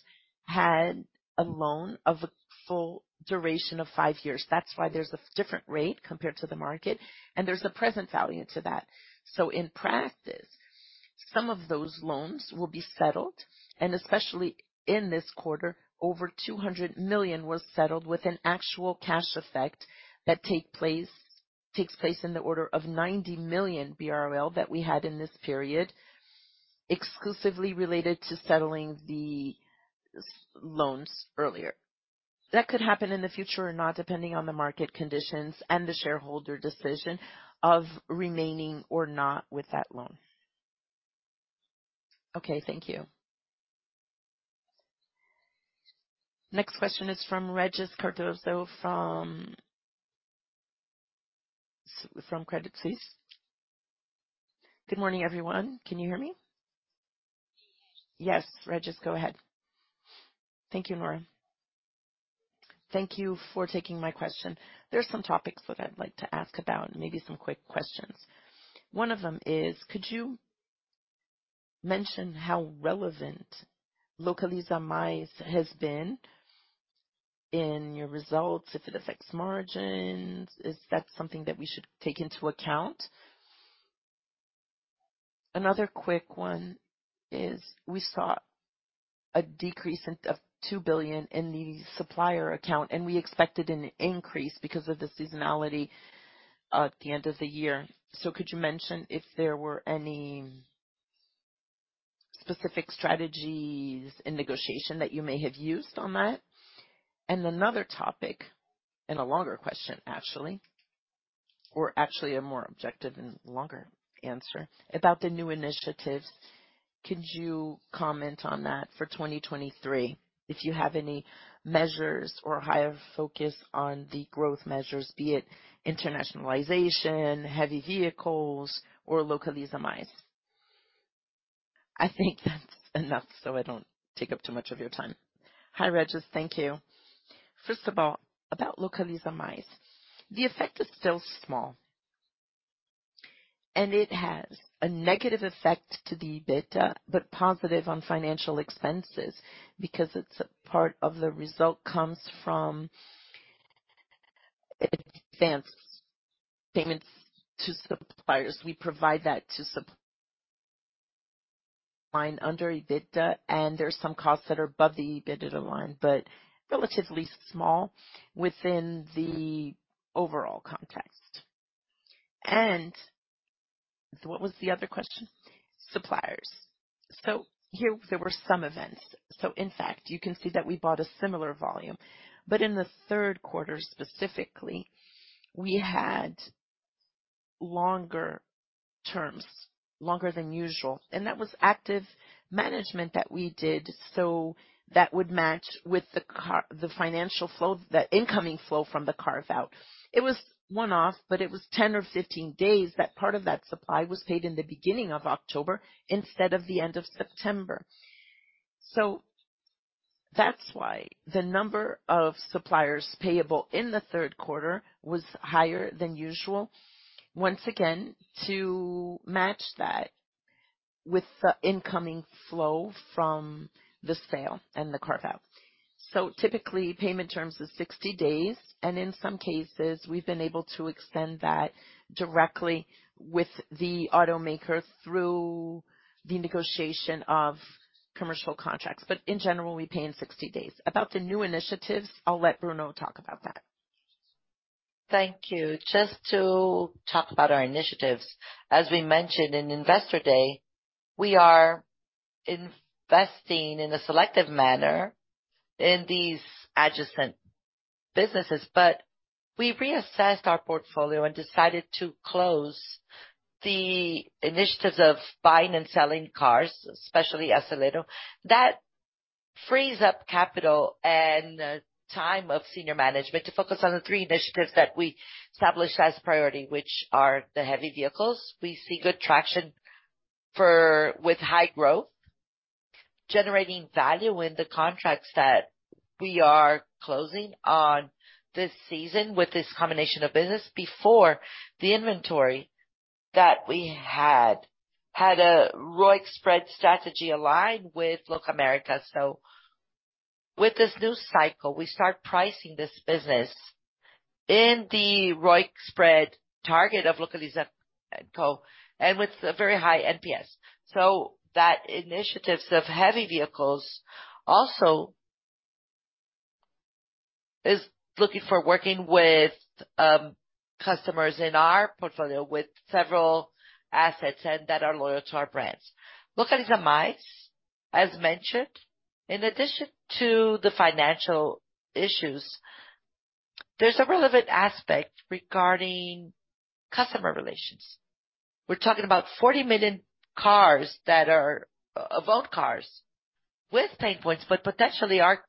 had a loan of a full duration of 5 years. That's why there's a different rate compared to the market, and there's a present value to that. In practice, some of those loans will be settled. Especially in this quarter, over 200 million was settled with an actual cash effect that takes place in the order of 90 million that we had in this period, exclusively related to settling the loans earlier. That could happen in the future or not, depending on the market conditions and the shareholder decision of remaining or not with that loan. Okay. Thank you. Next question is from Regis Cardoso from Credit Suisse. Good morning, everyone. Can you hear me? Yes, Regis, go ahead. Thank you, Nora. Thank you for taking my question. There are some topics that I'd like to ask about and maybe some quick questions. One of them is could you mention how relevant Localiza Mais has been in your results, if it affects margins? Is that something that we should take into account? Another quick one is we saw a decrease of 2 billion in the supplier account, we expected an increase because of the seasonality at the end of the year. Could you mention if there were any specific strategies in negotiation that you may have used on that? Another topic and a longer question actually, or actually a more objective and longer answer about the new initiatives. Could you comment on that for 2023, if you have any measures or higher focus on the growth measures, be it internationalization, heavy vehicles or Localiza Mais? I think that's enough, I don't take up too much of your time. Hi, Regis. Thank you. First of all, about Localiza Mais. The effect is still small and it has a negative effect to the EBITDA, but positive on financial expenses because it's a part of the result comes from advance payments to suppliers. We provide that to line under EBITDA, there's some costs that are above the EBITDA line, but relatively small within the overall context. What was the other question? Suppliers. Here there were some events. In fact, you can see that we bought a similar volume. In the Q3 specifically, we had longer terms, longer than usual, and that was active management that we did. That would match with the financial flow, the incoming flow from the carve-out. It was one-off, but it was 10 or 15 days that part of that supply was paid in the beginning of October instead of the end of September. That's why the number of suppliers payable in the Q3 was higher than usual. Once again, to match that with the incoming flow from the sale and the carve-out. Typically payment terms is 60 days and in some cases we've been able to extend that directly with the automaker through the negotiation of commercial contracts. In general, we pay in 60 days. About the new initiatives, I'll let Bruno talk about that. Thank you. Just to talk about our initiatives. As we mentioned in Investor Day, we are investing in a selective manner in these adjacent businesses, but we reassessed our portfolio and decided to close the initiatives of buying and selling cars, especially Acelero. That frees up capital and time of senior management to focus on the three initiatives that we established as priority, which are the heavy vehicles we see good traction for with high growth, generating value in the contracts that we are closing on this season. With this combination of business before the inventory that we had a ROIC spread strategy aligned with Localiza. With this new cycle, we start pricing this business in the ROIC spread target of Localiza&Co. With a very high NPS. That initiatives of heavy vehicles also is looking for working with customers in our portfolio with several assets and that are loyal to our brands. Localiza Mais, as mentioned, in addition to the financial issues, there's a relevant aspect regarding customer relations. We're talking about 40 million cars that are owned cars with pain points, but potentially are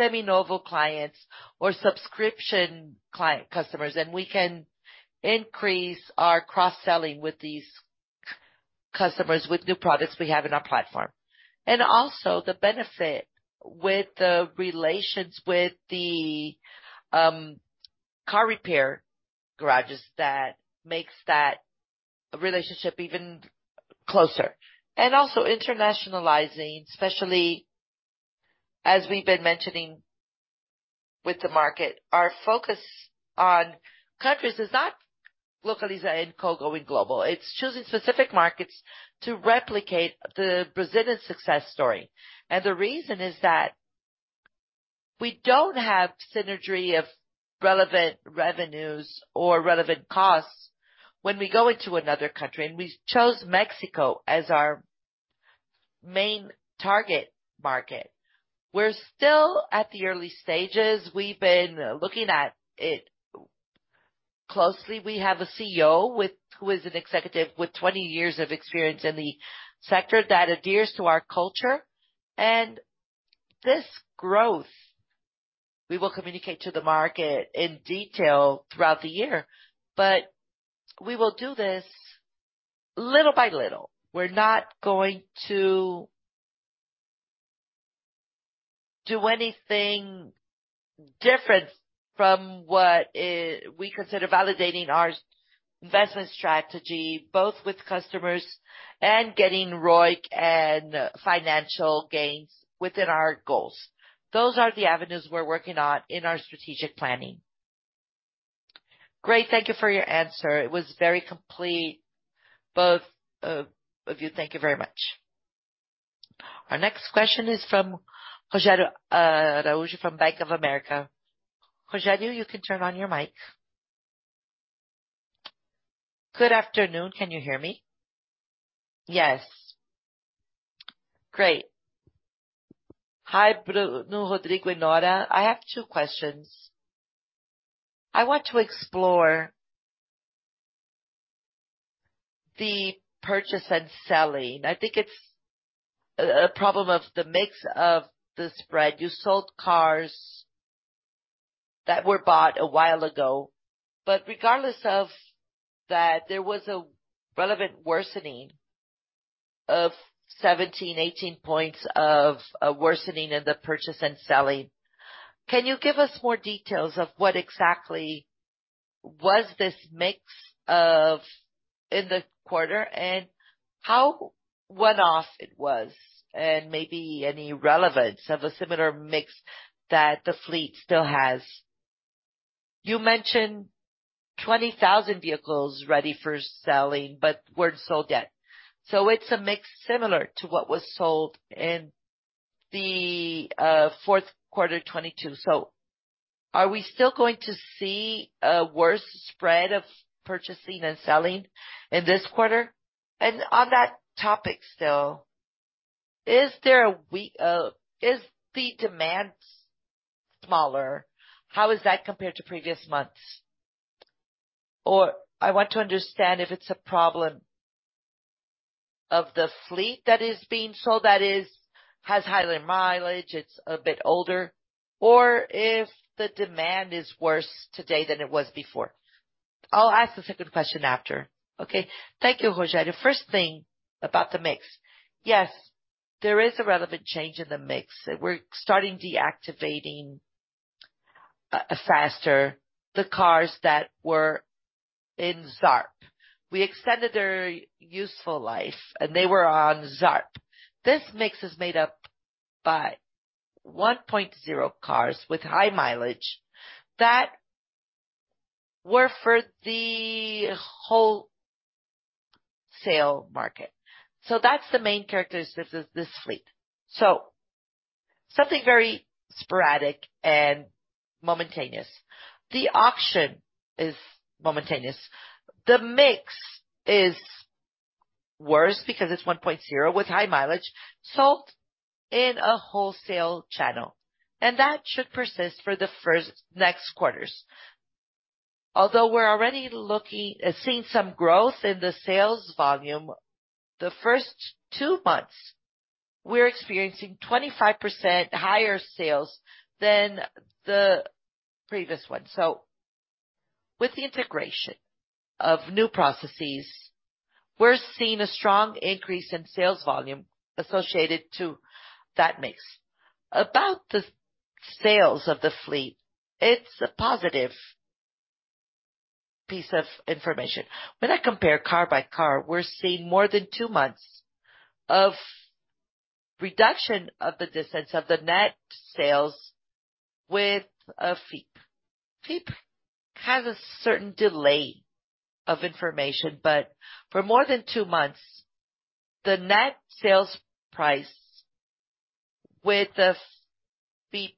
Seminovos clients or subscription client customers. We can increase our cross-selling with these customers with new products we have in our platform. Also the benefit with the relations with the car repair garages that makes that relationship even closer. Also internationalizing, especially as we've been mentioning with the market, our focus on countries is not Localiza&Co going global. It's choosing specific markets to replicate the Brazilian success story. The reason is that we don't have synergy of relevant revenues or relevant costs when we go into another country, and we chose Mexico as our main target market. We're still at the early stages. We've been looking at it closely. We have a CEO who is an executive with 20 years of experience in the sector that adheres to our culture. This growth we will communicate to the market in detail throughout the year. We will do this little by little. We're not going to do anything different from what we consider validating our investment strategy, both with customers and getting ROIC and financial gains within our goals. Those are the avenues we're working on in our strategic planning. Great. Thank you for your answer. It was very complete, both of you. Thank you very much. Our next question is from Rogério Araújo from Bank of America. Rogério, you can turn on your mic. Good afternoon. Can you hear me? Yes. Great. Hi, Bruno, Rodrigo, and Nora. I have two questions. I want to explore... the purchase and selling. I think it's a problem of the mix of the spread. You sold cars that were bought a while ago. Regardless of that, there was a relevant worsening of 17, 18 points of a worsening in the purchase and selling. Can you give us more details of what exactly was this mix in the quarter and how one-off it was and maybe any relevance of a similar mix that the fleet still has? You mentioned 20,000 vehicles ready for selling but weren't sold yet. It's a mix similar to what was sold in the Q4 2022. Are we still going to see a worse spread of purchasing and selling in this quarter? On that topic still, is the demand smaller? How is that compared to previous months? I want to understand if it's a problem of the fleet that is being sold that is, has higher mileage, it's a bit older, or if the demand is worse today than it was before. I'll ask the second question after. Okay. Thank you, Rogério. The first thing about the mix. Yes, there is a relevant change in the mix. We're starting deactivating faster the cars that were in Zarp. We extended their useful life, and they were on Zarp. This mix is made up by 1.0 cars with high mileage that were for the wholesale market. That's the main characteristic of this fleet. Something very sporadic and momentous. The auction is momentous. The mix is worse because it's 1.0 with high mileage, sold in a wholesale channel, and that should persist for the first next quarters. Although we're already seeing some growth in the sales volume, the first two months, we're experiencing 25% higher sales than the previous one. With the integration of new processes, we're seeing a strong increase in sales volume associated to that mix. About the sales of the fleet, it's a positive piece of information. When I compare car by car, we're seeing more than two months of reduction of the distance of the net sales with a FIPE. FIPE has a certain delay of information, for more than two months, the net sales price with the FIPE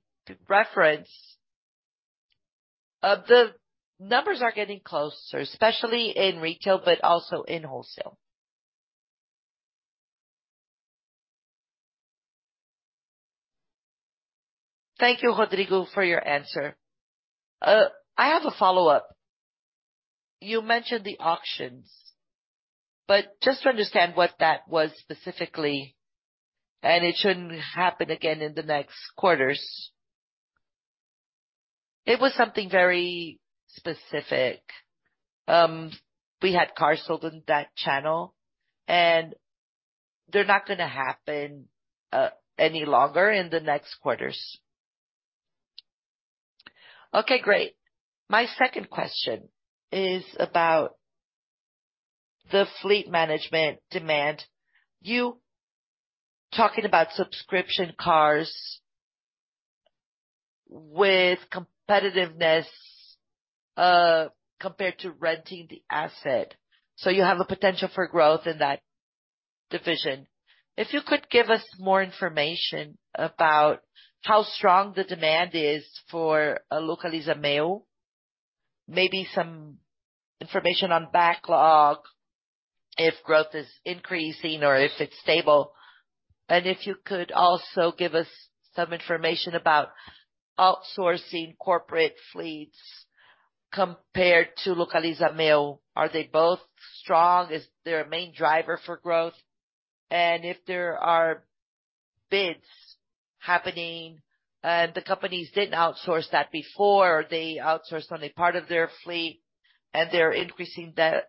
reference, the numbers are getting closer, especially in retail, but also in wholesale. Thank you, Rodrigo, for your answer. I have a follow-up. You mentioned the auctions, just to understand what that was specifically, it shouldn't happen again in the next quarters. It was something very specific. We had cars sold in that channel, and they're not gonna happen any longer in the next quarters. Okay, great. My second question is about the fleet management demand. You talking about subscription cars with competitiveness compared to renting the asset. You have a potential for growth in that division. If you could give us more information about how strong the demand is for a Localiza Meoo, maybe some information on backlog, if growth is increasing or if it's stable. If you could also give us some information about outsourcing corporate fleets compared to Localiza Meoo. Are they both strong? Is there a main driver for growth? If there are bids happening and the companies didn't outsource that before, they outsourced only part of their fleet, and they're increasing that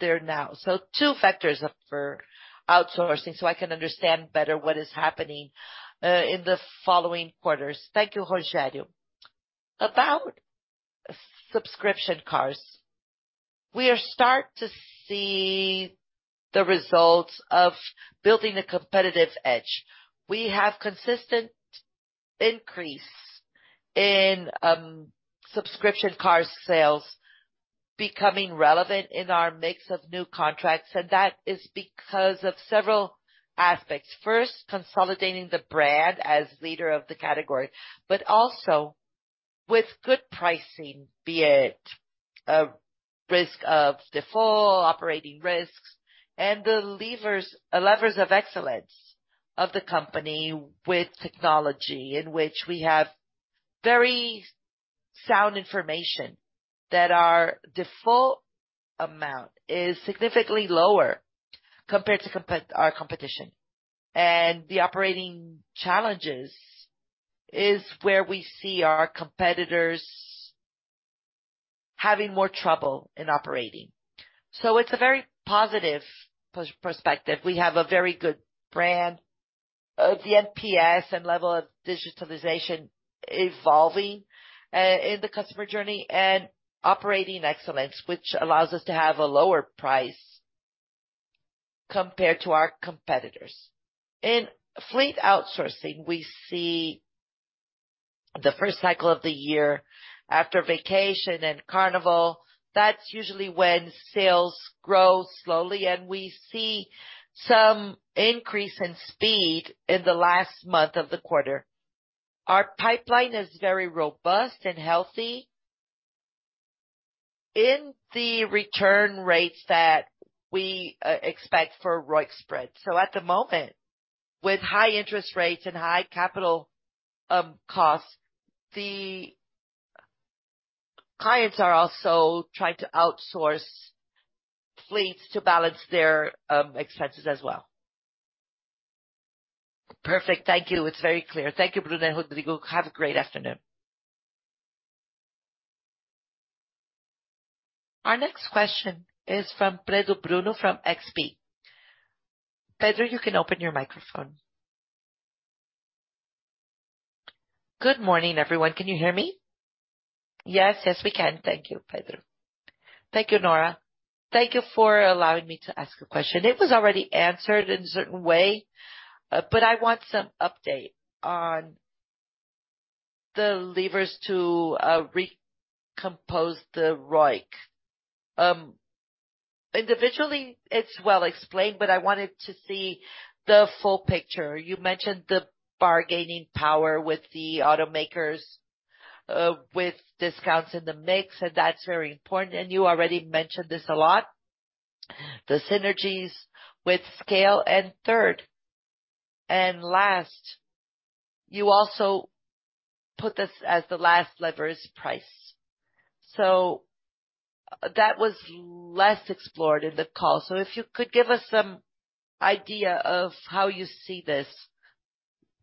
there now. Two factors up for outsourcing, so I can understand better what is happening in the following quarters. Thank you, Rogério. We are start to see the results of building a competitive edge. We have consistent increase in subscription car sales becoming relevant in our mix of new contracts. That is because of several aspects. First, consolidating the brand as leader of the category, but also with good pricing, be it a risk of default, operating risks and the levers of excellence of the company with technology in which we have very sound information that our default amount is significantly lower compared to our competition. The operating challenges is where we see our competitors having more trouble in operating. It's a very positive perspective. We have a very good brand. The NPS and level of digitalization evolving in the customer journey and operating excellence, which allows us to have a lower price compared to our competitors. In fleet outsourcing, we see the first cycle of the year after vacation and Carnival. That's usually when sales grow slowly and we see some increase in speed in the last month of the quarter. Our pipeline is very robust and healthy in the return rates that we expect for ROIC spread. At the moment, with high interest rates and high capital costs, the clients are also trying to outsource fleets to balance their expenses as well. Perfect. Thank you. It's very clear. Thank you, Bruno, Rodrigo. Have a great afternoon. Our next question is from Pedro Bruno from XP. Pedro, you can open your microphone. Good morning, everyone. Can you hear me? Yes. Yes, we can. Thank you, Pedro. Thank you, Nora. Thank you for allowing me to ask a question. It was already answered in a certain way, but I want some update on the levers to recompose the ROIC. Individually it's well explained, but I wanted to see the full picture. You mentioned the bargaining power with the automakers, with discounts in the mix, and that's very important, and you already mentioned this a lot, the synergies with scale. Third and last, you also put this as the last lever is price. That was less explored in the call. If you could give us some idea of how you see this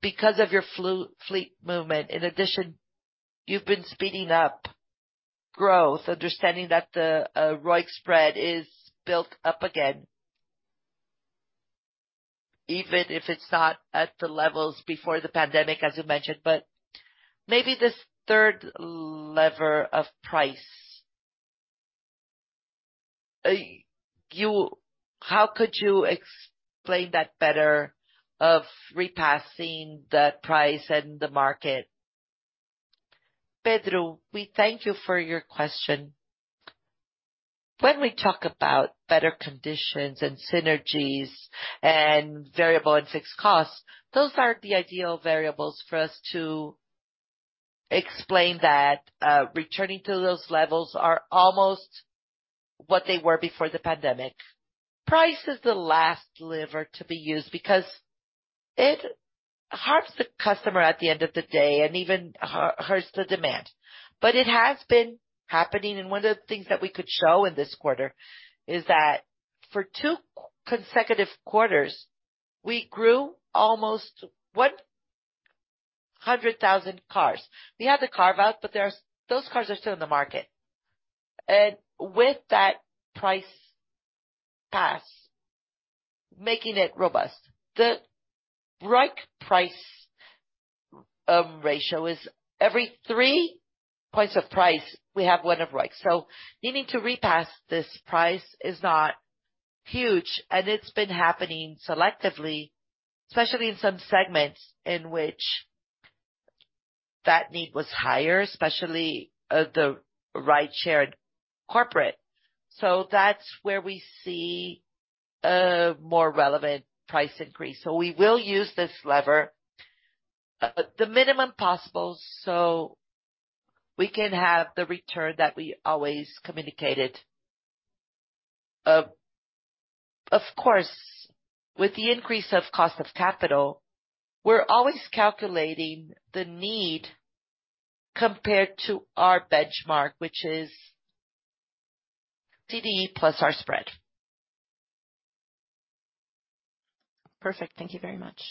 because of your fleet movement. In addition, you've been speeding up growth, understanding that the ROIC spread is built up again. Even if it's not at the levels before the pandemic, as you mentioned, but maybe this third lever of price. How could you explain that better of repassing the price and the market? Pedro, we thank you for your question. When we talk about better conditions and synergies and variable and fixed costs, those are the ideal variables for us to explain that, returning to those levels are almost what they were before the pandemic. Price is the last lever to be used because it harms the customer at the end of the day and even harms the demand. It has been happening, and one of the things that we could show in this quarter is that for two consecutive quarters, we grew almost 100,000 cars. We had the carve-out, but those cars are still in the market. With that price pass, making it robust. The ROIC price ratio is every three points of price, we have one of ROIC. Needing to repass this price is not huge, and it's been happening selectively, especially in some segments in which that need was higher, especially, the rideshare corporate. That's where we see a more relevant price increase. We will use this lever, the minimum possible, so we can have the return that we always communicated. Of course, with the increase of cost of capital, we're always calculating the need compared to our benchmark, which is CDI plus our spread. Perfect. Thank you very much.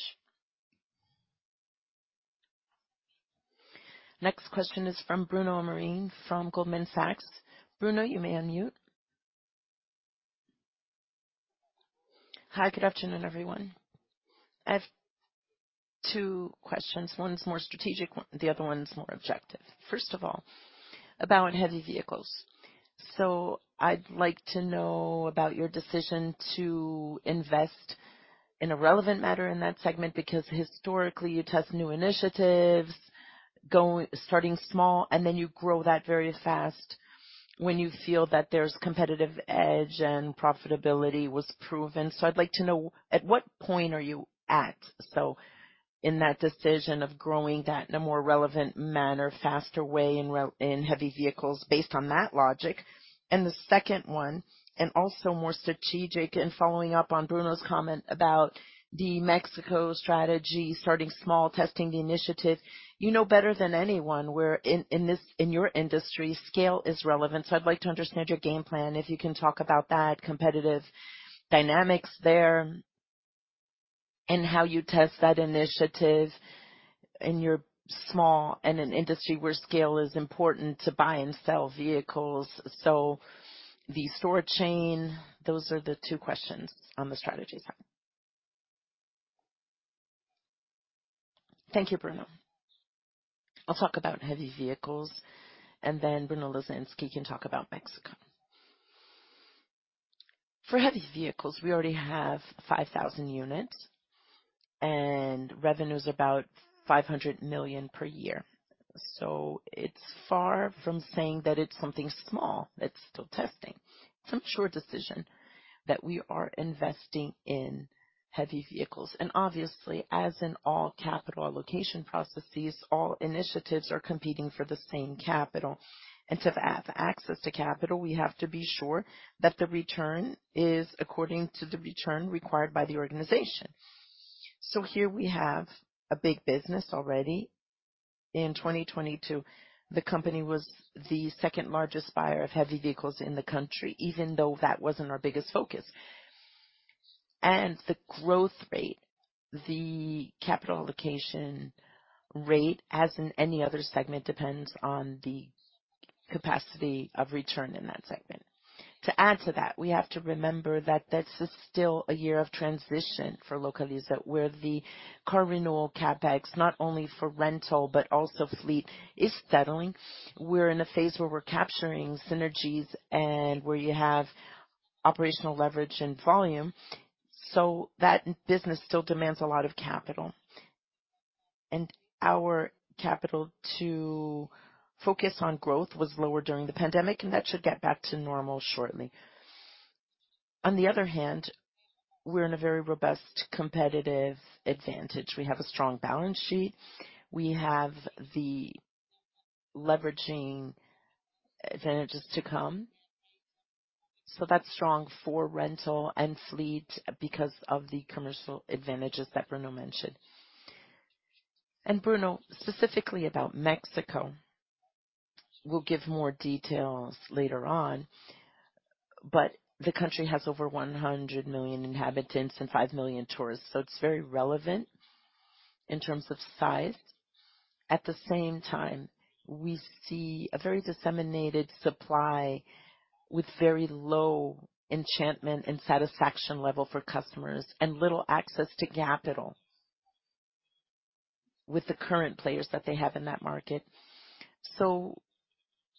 Next question is from Bruno Amorim from Goldman Sachs. Bruno, you may unmute. Hi, good afternoon, everyone. I have two questions. One is more strategic, the other one's more objective. First of all, about heavy vehicles. I'd like to know about your decision to invest in a relevant matter in that segment, because historically, you test new initiatives, starting small, and then you grow that very fast when you feel that there's competitive edge and profitability was proven. I'd like to know, at what point are you at? In that decision of growing that in a more relevant manner, faster way in heavy vehicles based on that logic. The second one, also more strategic, and following up on Bruno's comment about the Mexico strategy, starting small, testing the initiative. You know better than anyone where in your industry, scale is relevant. I'd like to understand your game plan, if you can talk about that, competitive dynamics there and how you test that initiative in your small and an industry where scale is important to buy and sell vehicles. The store chain, those are the two questions on the strategy side. Thank you, Bruno. I'll talk about heavy vehicles, and then Bruno Lasansky can talk about Mexico. For heavy vehicles, we already have 5,000 units and revenue's about 500 million per year. It's far from saying that it's something small that's still testing. It's a mature decision that we are investing in heavy vehicles. Obviously, as in all capital allocation processes, all initiatives are competing for the same capital. To have access to capital, we have to be sure that the return is according to the return required by the organization. Here we have a big business already. In 2022, the company was the second-largest buyer of heavy vehicles in the country, even though that wasn't our biggest focus. The growth rate, the capital allocation rate, as in any other segment, depends on the capacity of return in that segment. To add to that, we have to remember that this is still a year of transition for Localiza, where the car renewal CapEx, not only for rental but also fleet, is settling. We're in a phase where we're capturing synergies and where you have operational leverage and volume. That business still demands a lot of capital. Our capital to focus on growth was lower during the pandemic, and that should get back to normal shortly. On the other hand, we're in a very robust competitive advantage. We have a strong balance sheet. We have the leveraging advantages to come. That's strong for rental and fleet because of the commercial advantages that Bruno mentioned. Bruno, specifically about Mexico, we'll give more details later on, but the country has over 100 million inhabitants and 5 million tourists, so it's very relevant in terms of size. At the same time, we see a very disseminated supply with very low enchantment and satisfaction level for customers and little access to capital with the current players that they have in that market.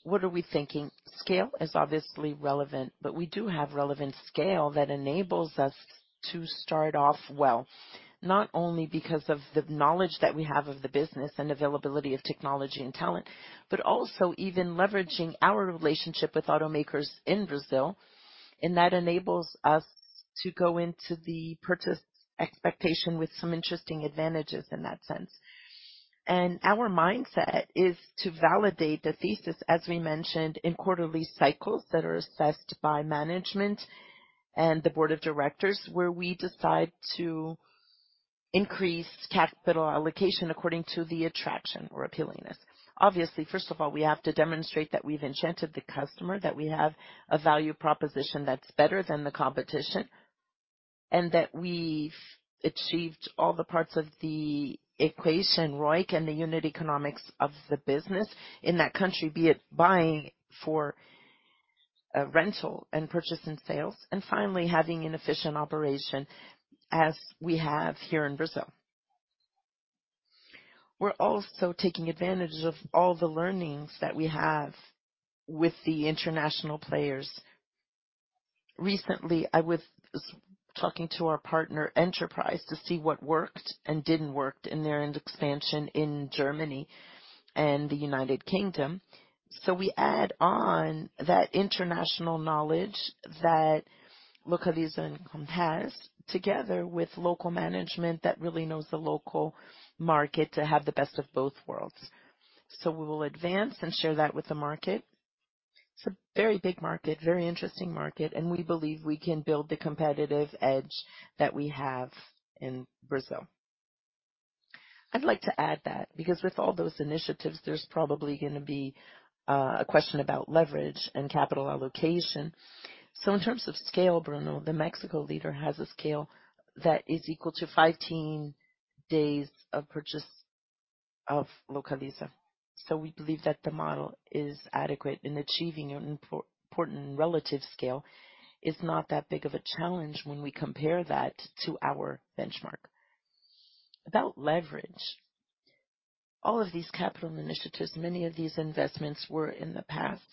What are we thinking? Scale is obviously relevant, but we do have relevant scale that enables us to start off well, not only because of the knowledge that we have of the business and availability of technology and talent, but also even leveraging our relationship with automakers in Brazil. That enables us to go into the purchase expectation with some interesting advantages in that sense. Our mindset is to validate the thesis, as we mentioned in quarterly cycles that are assessed by management and the board of directors, where we decide to increase capital allocation according to the attraction or appealingness. Obviously, first of all, we have to demonstrate that we've enchanted the customer, that we have a value proposition that's better than the competition, and that we've achieved all the parts of the equation, ROIC and the unit economics of the business in that country, be it buying for rental and purchase and sales, and finally having an efficient operation as we have here in Brazil. We're also taking advantage of all the learnings that we have with the international players. Recently, I was talking to our partner, Enterprise, to see what worked and didn't work in their expansion in Germany and the United Kingdom. We add on that international knowledge that Localiza Inc. has together with local management that really knows the local market to have the best of both worlds. We will advance and share that with the market. It's a very big market, very interesting market, and we believe we can build the competitive edge that we have in Brazil. I'd like to add that because with all those initiatives, there's probably gonna be a question about leverage and capital allocation. In terms of scale, Bruno, the Mexico leader has a scale that is equal to 15 days Of Localiza. We believe that the model is adequate in achieving an important relative scale. It's not that big of a challenge when we compare that to our benchmark. About leverage, all of these capital initiatives, many of these investments were in the past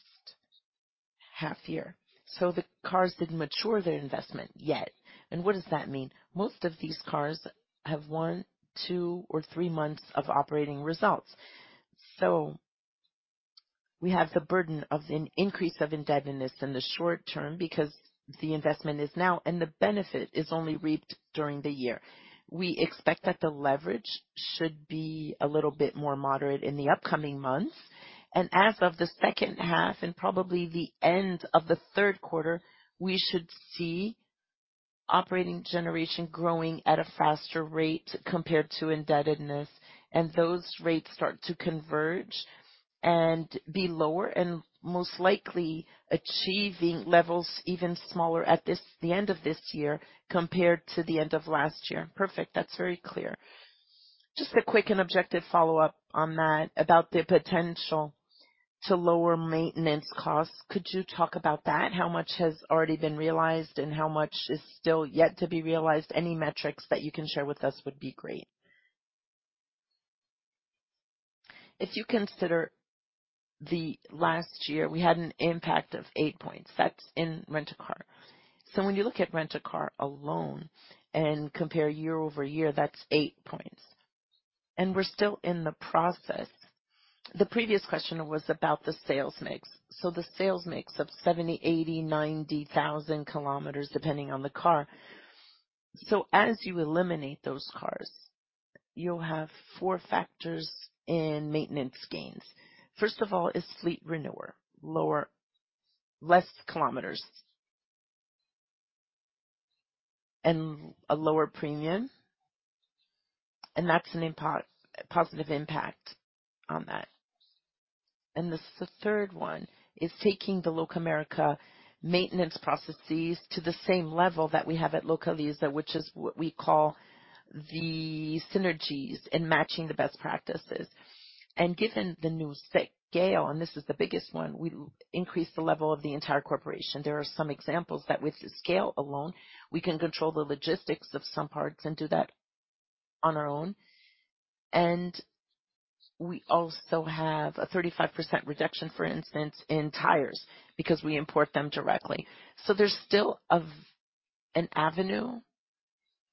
half year, so the cars didn't mature their investment yet. What does that mean? Most of these cars have one, two or three months of operating results. We have the burden of an increase of indebtedness in the short term because the investment is now and the benefit is only reaped during the year. We expect that the leverage should be a little bit more moderate in the upcoming months and as of the second half and probably the end of the Q3, we should see operating generation growing at a faster rate compared to indebtedness. Those rates start to converge and be lower and most likely achieving levels even smaller at this, the end of this year compared to the end of last year. Perfect. That's very clear. Just a quick and objective follow-up on that about the potential to lower maintenance costs. Could you talk about that? How much has already been realized and how much is still yet to be realized? Any metrics that you can share with us would be great. If you consider the last year we had an impact of eight points. That's in rent-a-car. When you look at rent-a-car alone and compare year-over-year, that's 8 points. We're still in the process. The previous question was about the sales mix. The sales mix of 70,000 km, 80,000 km, 90,000 km, depending on the car. As you eliminate those cars, you'll have four factors in maintenance gains. First of all is fleet renewal. Lower, less kilometers. A lower premium. That's a positive impact on that. The third one is taking the Locamerica maintenance processes to the same level that we have at Localiza, which is what we call the synergies and matching the best practices. Given the new scale, and this is the biggest one, we increase the level of the entire corporation. There are some examples that with the scale alone, we can control the logistics of some parts and do that on our own. We also have a 35% reduction, for instance, in tires because we import them directly. There's still of an avenue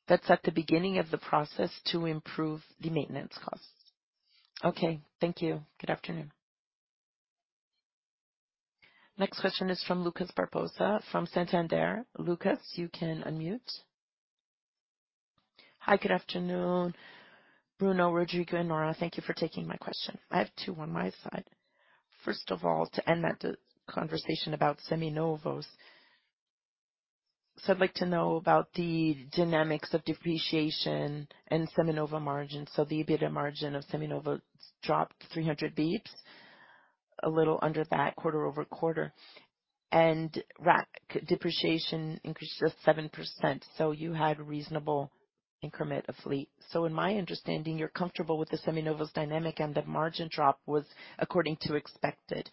that's at the beginning of the process to improve the maintenance costs. Okay. Thank you. Good afternoon. Next question is from Lucas Barbosa from Santander. Lucas, you can unmute. Hi. Good afternoon, Bruno, Rodrigo and Nora. Thank you for taking my question. I have two on my side. First of all, to end that conversation about seminovos. I'd like to know about the dynamics of depreciation and seminovo margins. The EBITDA margin of seminovo dropped 300 basis points, a little under that quarter-over-quarter, and RAC depreciation increased to 7%. You had reasonable increment of fleet. In my understanding, you're comfortable with the seminovos dynamic and the margin drop was according to expected.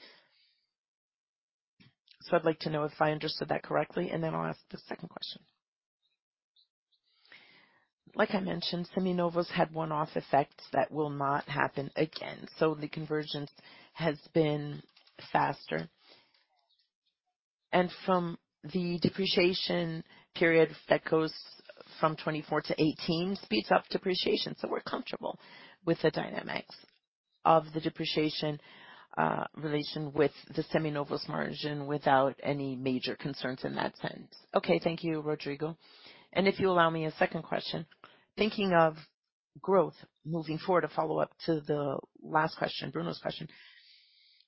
I'd like to know if I understood that correctly, and then I'll ask the second question. Like I mentioned, seminovos had one-off effects that will not happen again. The convergence has been faster. From the depreciation period that goes from 24 to 18 speeds up depreciation. We're comfortable with the dynamics of the depreciation relation with the Seminovos margin without any major concerns in that sense. Okay. Thank you, Rodrigo. If you allow me a second question, thinking of growth moving forward, a follow-up to the last question, Bruno's question.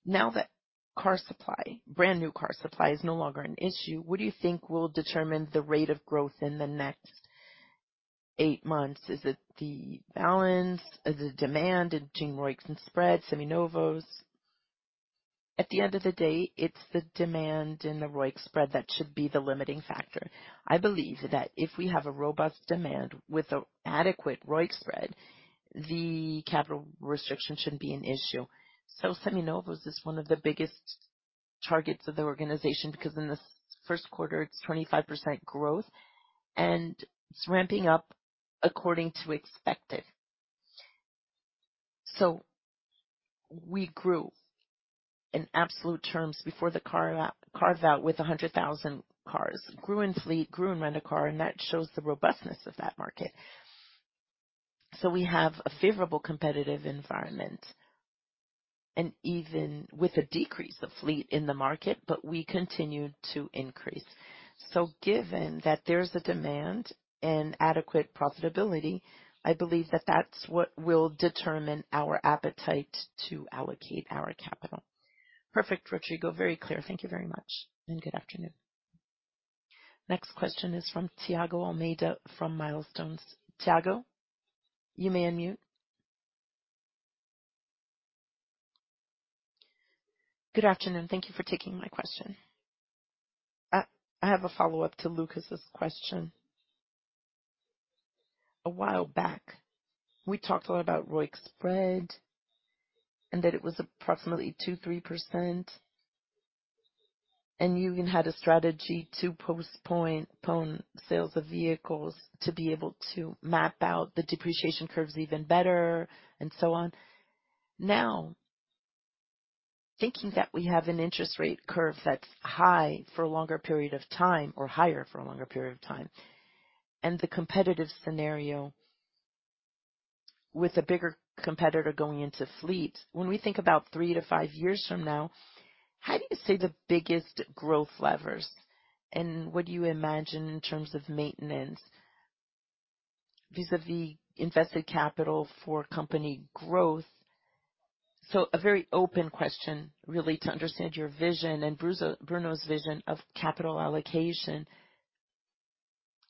Now that car supply, brand new car supply is no longer an issue, what do you think will determine the rate of growth in the nex teight months? Is it the balance? Is it demand between ROIC and spread, Seminovos? At the end of the day, it's the demand and the ROIC spread that should be the limiting factor. I believe that if we have a robust demand with a adequate ROIC spread, the capital restriction shouldn't be an issue. Seminovos is one of the biggest targets of the organization because in the Q1 it's 25% growth and it's ramping up according to expected. We grew in absolute terms before the car, cars out with 100,000 cars, grew in fleet, grew in rent-a-car, and that shows the robustness of that market. We have a favorable competitive environment and even with a decrease of fleet in the market, but we continue to increase. Given that there's a demand and adequate profitability, I believe that that's what will determine our appetite to allocate our capital. Perfect, Rodrigo. Very clear. Thank you very much and good afternoon. Next question is from Tiago Almeida, from Milestones. Tiago, you may unmute. Good afternoon. Thank you for taking my question. I have a follow-up to Lucas's question. A while back, we talked a lot about ROIC spread and that it was approximately 2%, 3%, and you even had a strategy to postpone sales of vehicles to be able to map out the depreciation curves even better, and so on. Thinking that we have an interest rate curve that's high for a longer period of time or higher for a longer period of time, and the competitive scenario with a bigger competitor going into fleet. When we think about three to five years from now, how do you see the biggest growth levers and what do you imagine in terms of maintenance vis-a-vis invested capital for company growth? A very open question, really, to understand your vision and Bruno's vision of capital allocation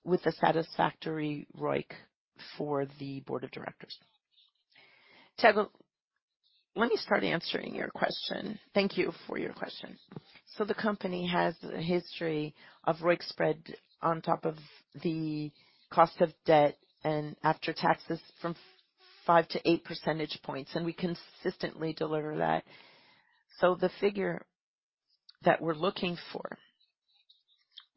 with a satisfactory ROIC for the board of directors. Tiago, let me start answering your question. Thank you for your question. The company has a history of ROIC spread on top of the cost of debt and after taxes from 5 to 8 percentage points, and we consistently deliver that. The figure that we're looking for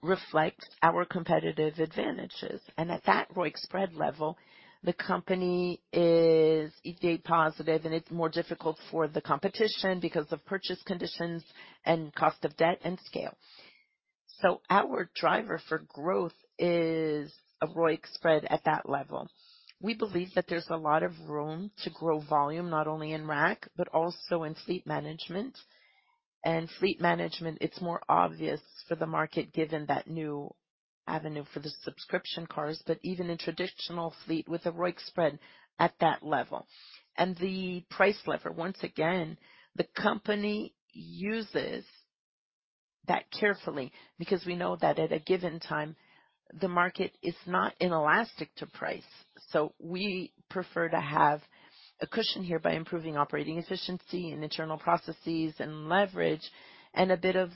reflect our competitive advantages. At that ROIC spread level, the company is EBITDA positive, and it's more difficult for the competition because of purchase conditions and cost of debt and scale. Our driver for growth is a ROIC spread at that level. We believe that there's a lot of room to grow volume, not only in RAC, but also in fleet management. Fleet management, it's more obvious for the market given that new avenue for the subscription cars, but even in traditional fleet with a ROIC spread at that level. The price lever, once again, the company uses that carefully because we know that at a given time the market is not inelastic to price. We prefer to have a cushion here by improving operating efficiency and internal processes and leverage. A bit of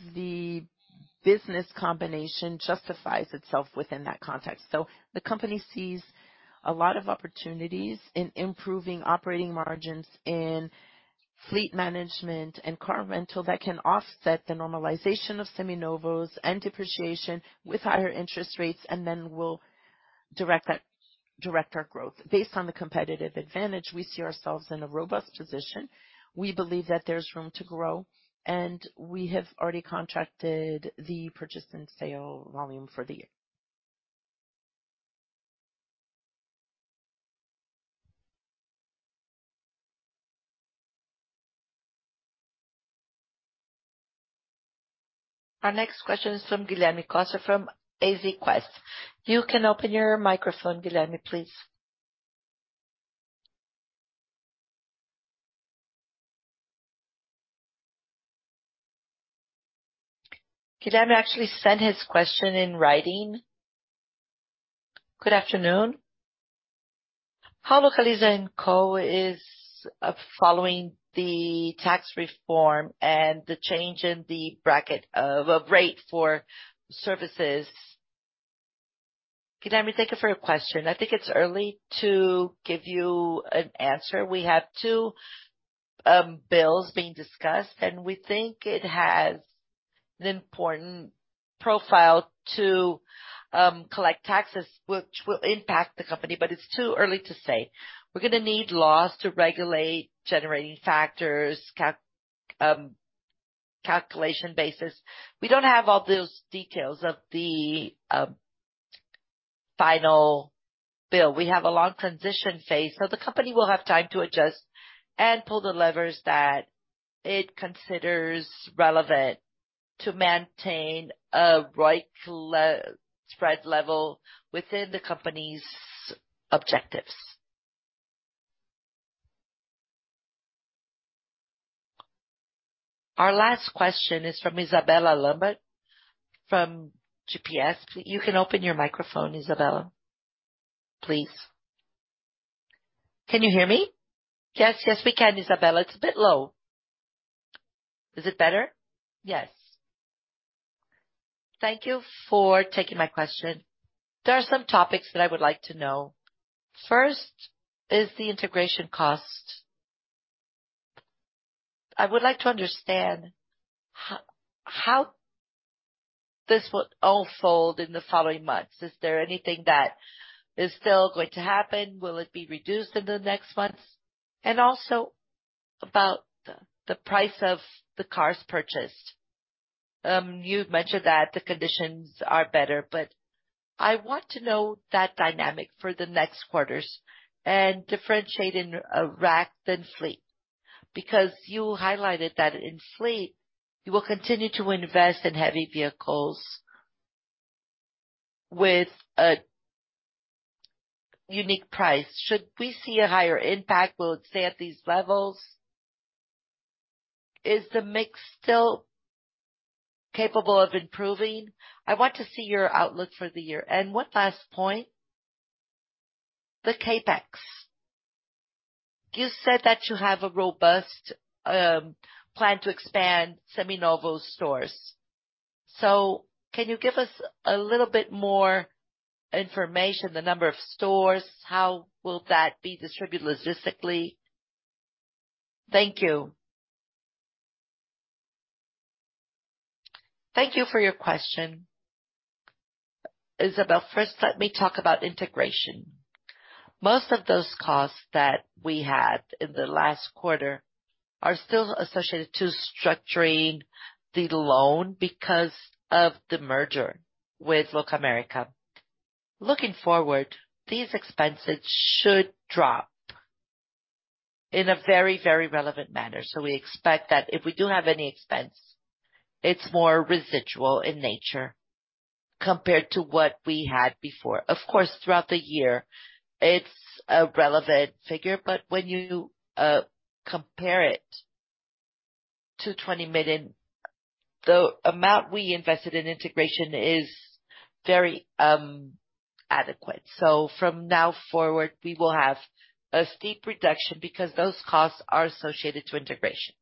the business combination justifies itself within that context. The company sees a lot of opportunities in improving operating margins in fleet management and car rental that can offset the normalization of Seminovos and depreciation with higher interest rates, we'll direct our growth. Based on the competitive advantage, we see ourselves in a robust position. We believe that there's room to grow, and we have already contracted the purchase and sale volume for the year. Our next question is from Guilherme Costa, from AZ Quest. You can open your microphone, Guilherme, please. Guilherme actually sent his question in writing. Good afternoon. Localiza&Co. is following the tax reform and the change in the bracket of a rate for services. Guilherme, thank you for your question. I think it's early to give you an answer. We have two bills being discussed, and we think it has an important profile to collect taxes, which will impact the company, but it's too early to say. We're gonna need laws to regulate generating factors, calculation basis. We don't have all those details of the final bill. We have a long transition phase, so the company will have time to adjust and pull the levers that it considers relevant to maintain a right spread level within the company's objectives. Our last question is from Isabella Lambert, from UBS. You can open your microphone, Isabella, please. Can you hear me? Yes. Yes, we can, Isabella. It's a bit low. Is it better? Yes. Thank you for taking my question. There are some topics that I would like to know. First is the integration cost. I would like to understand how this would unfold in the following months. Is there anything that is still going to happen? Will it be reduced in the next months? Also about the price of the cars purchased. You've mentioned that the conditions are better, but I want to know that dynamic for the next quarters and differentiate in RAC than fleet. You highlighted that in fleet, you will continue to invest in heavy vehicles with a unique price. Should we see a higher impact? Will it stay at these levels? Is the mix still capable of improving? I want to see your outlook for the year. One last point. The CapEx. You said that you have a robust plan to expand Seminovos stores. Can you give us a little bit more information, the number of stores? How will that be distributed logistically? Thank you. Thank you for your question, Isabel. First, let me talk about integration. Most of those costs that we had in the last quarter are still associated to structuring the loan because of the merger with Locamerica. Looking forward, these expenses should drop in a very relevant manner. We expect that if we do have any expense, it's more residual in nature compared to what we had before. Of course, throughout the year it's a relevant figure, but when you compare it to 20 million, the amount we invested in integration is very adequate. From now forward, we will have a steep reduction because those costs are associated to integration.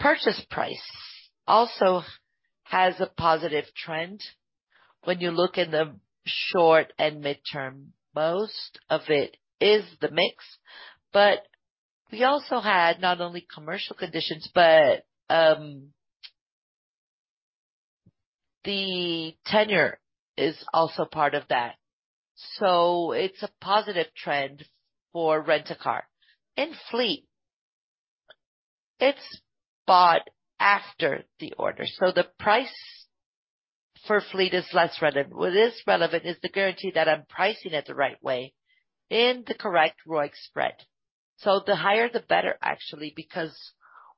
Purchase price also has a positive trend. When you look in the short and midterm, most of it is the mix. We also had not only commercial conditions, but the tenure is also part of that. It's a positive trend for rent-a-car and fleet. It's bought after the order. The price for fleet is less relevant. What is relevant is the guarantee that I'm pricing it the right way in the correct ROIC spread. The higher the better, actually, because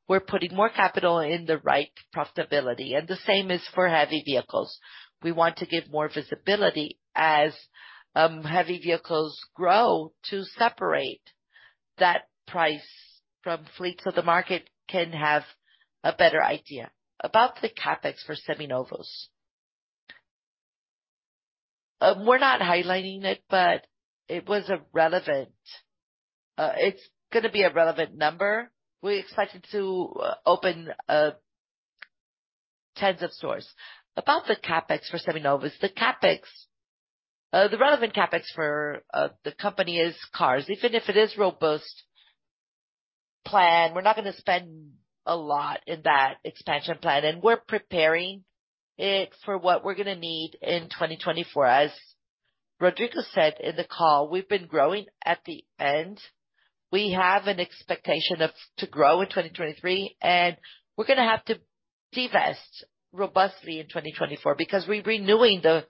we're putting more capital in the right profitability. The same is for heavy vehicles. We want to give more visibility as heavy vehicles grow to separate that price from fleet, the market can have a better idea. About the CapEx for Seminovos. We're not highlighting it, but it's going to be a relevant number. We're excited to open tens of stores. About the CapEx for Seminovos. The relevant CapEx for the company is cars. Even if it is robust plan, we're not gonna spend a lot in that expansion plan. We're preparing it for what we're gonna need in 2024. As Rodrigo said in the call, we've been growing at the end. We have an expectation to grow in 2023. We're gonna have to divest robustly in 2024 because we're renewing the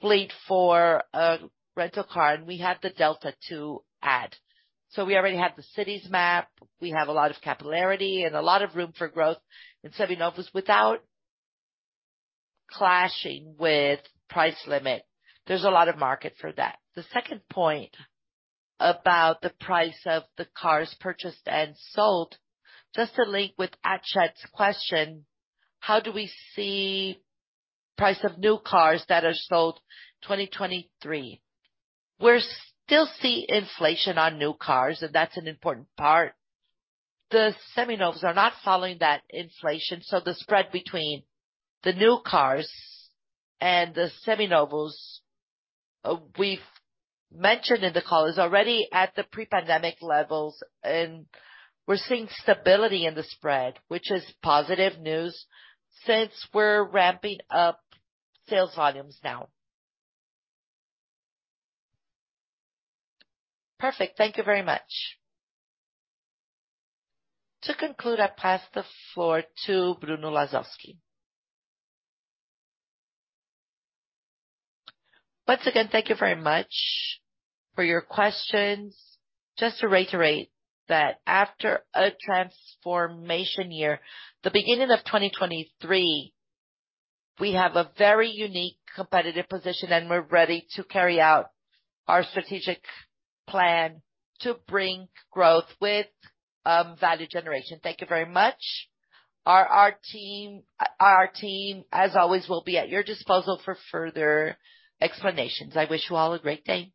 fleet for a rental car and we have the delta to add. We already have the cities map. We have a lot of capillarity and a lot of room for growth in Seminovos. Without clashing with price limit, there's a lot of market for that. The second point about the price of the cars purchased and sold, just to link with Costa question, how do we see price of new cars that are sold 2023? We're still see inflation on new cars, and that's an important part. The Seminovos are not following that inflation. The spread between the new cars and the Seminovos, we've mentioned in the call, is already at the pre-pandemic levels, and we're seeing stability in the spread, which is positive news since we're ramping up sales volumes now. Perfect. Thank you very much. To conclude, I pass the floor to Bruno Lasansky. Once again, thank you very much for your questions. Just to reiterate that after a transformation year, the beginning of 2023, we have a very unique competitive position, and we're ready to carry out our strategic plan to bring growth with value generation. Thank you very much. Our team, as always, will be at your disposal for further explanations. I wish you all a great day.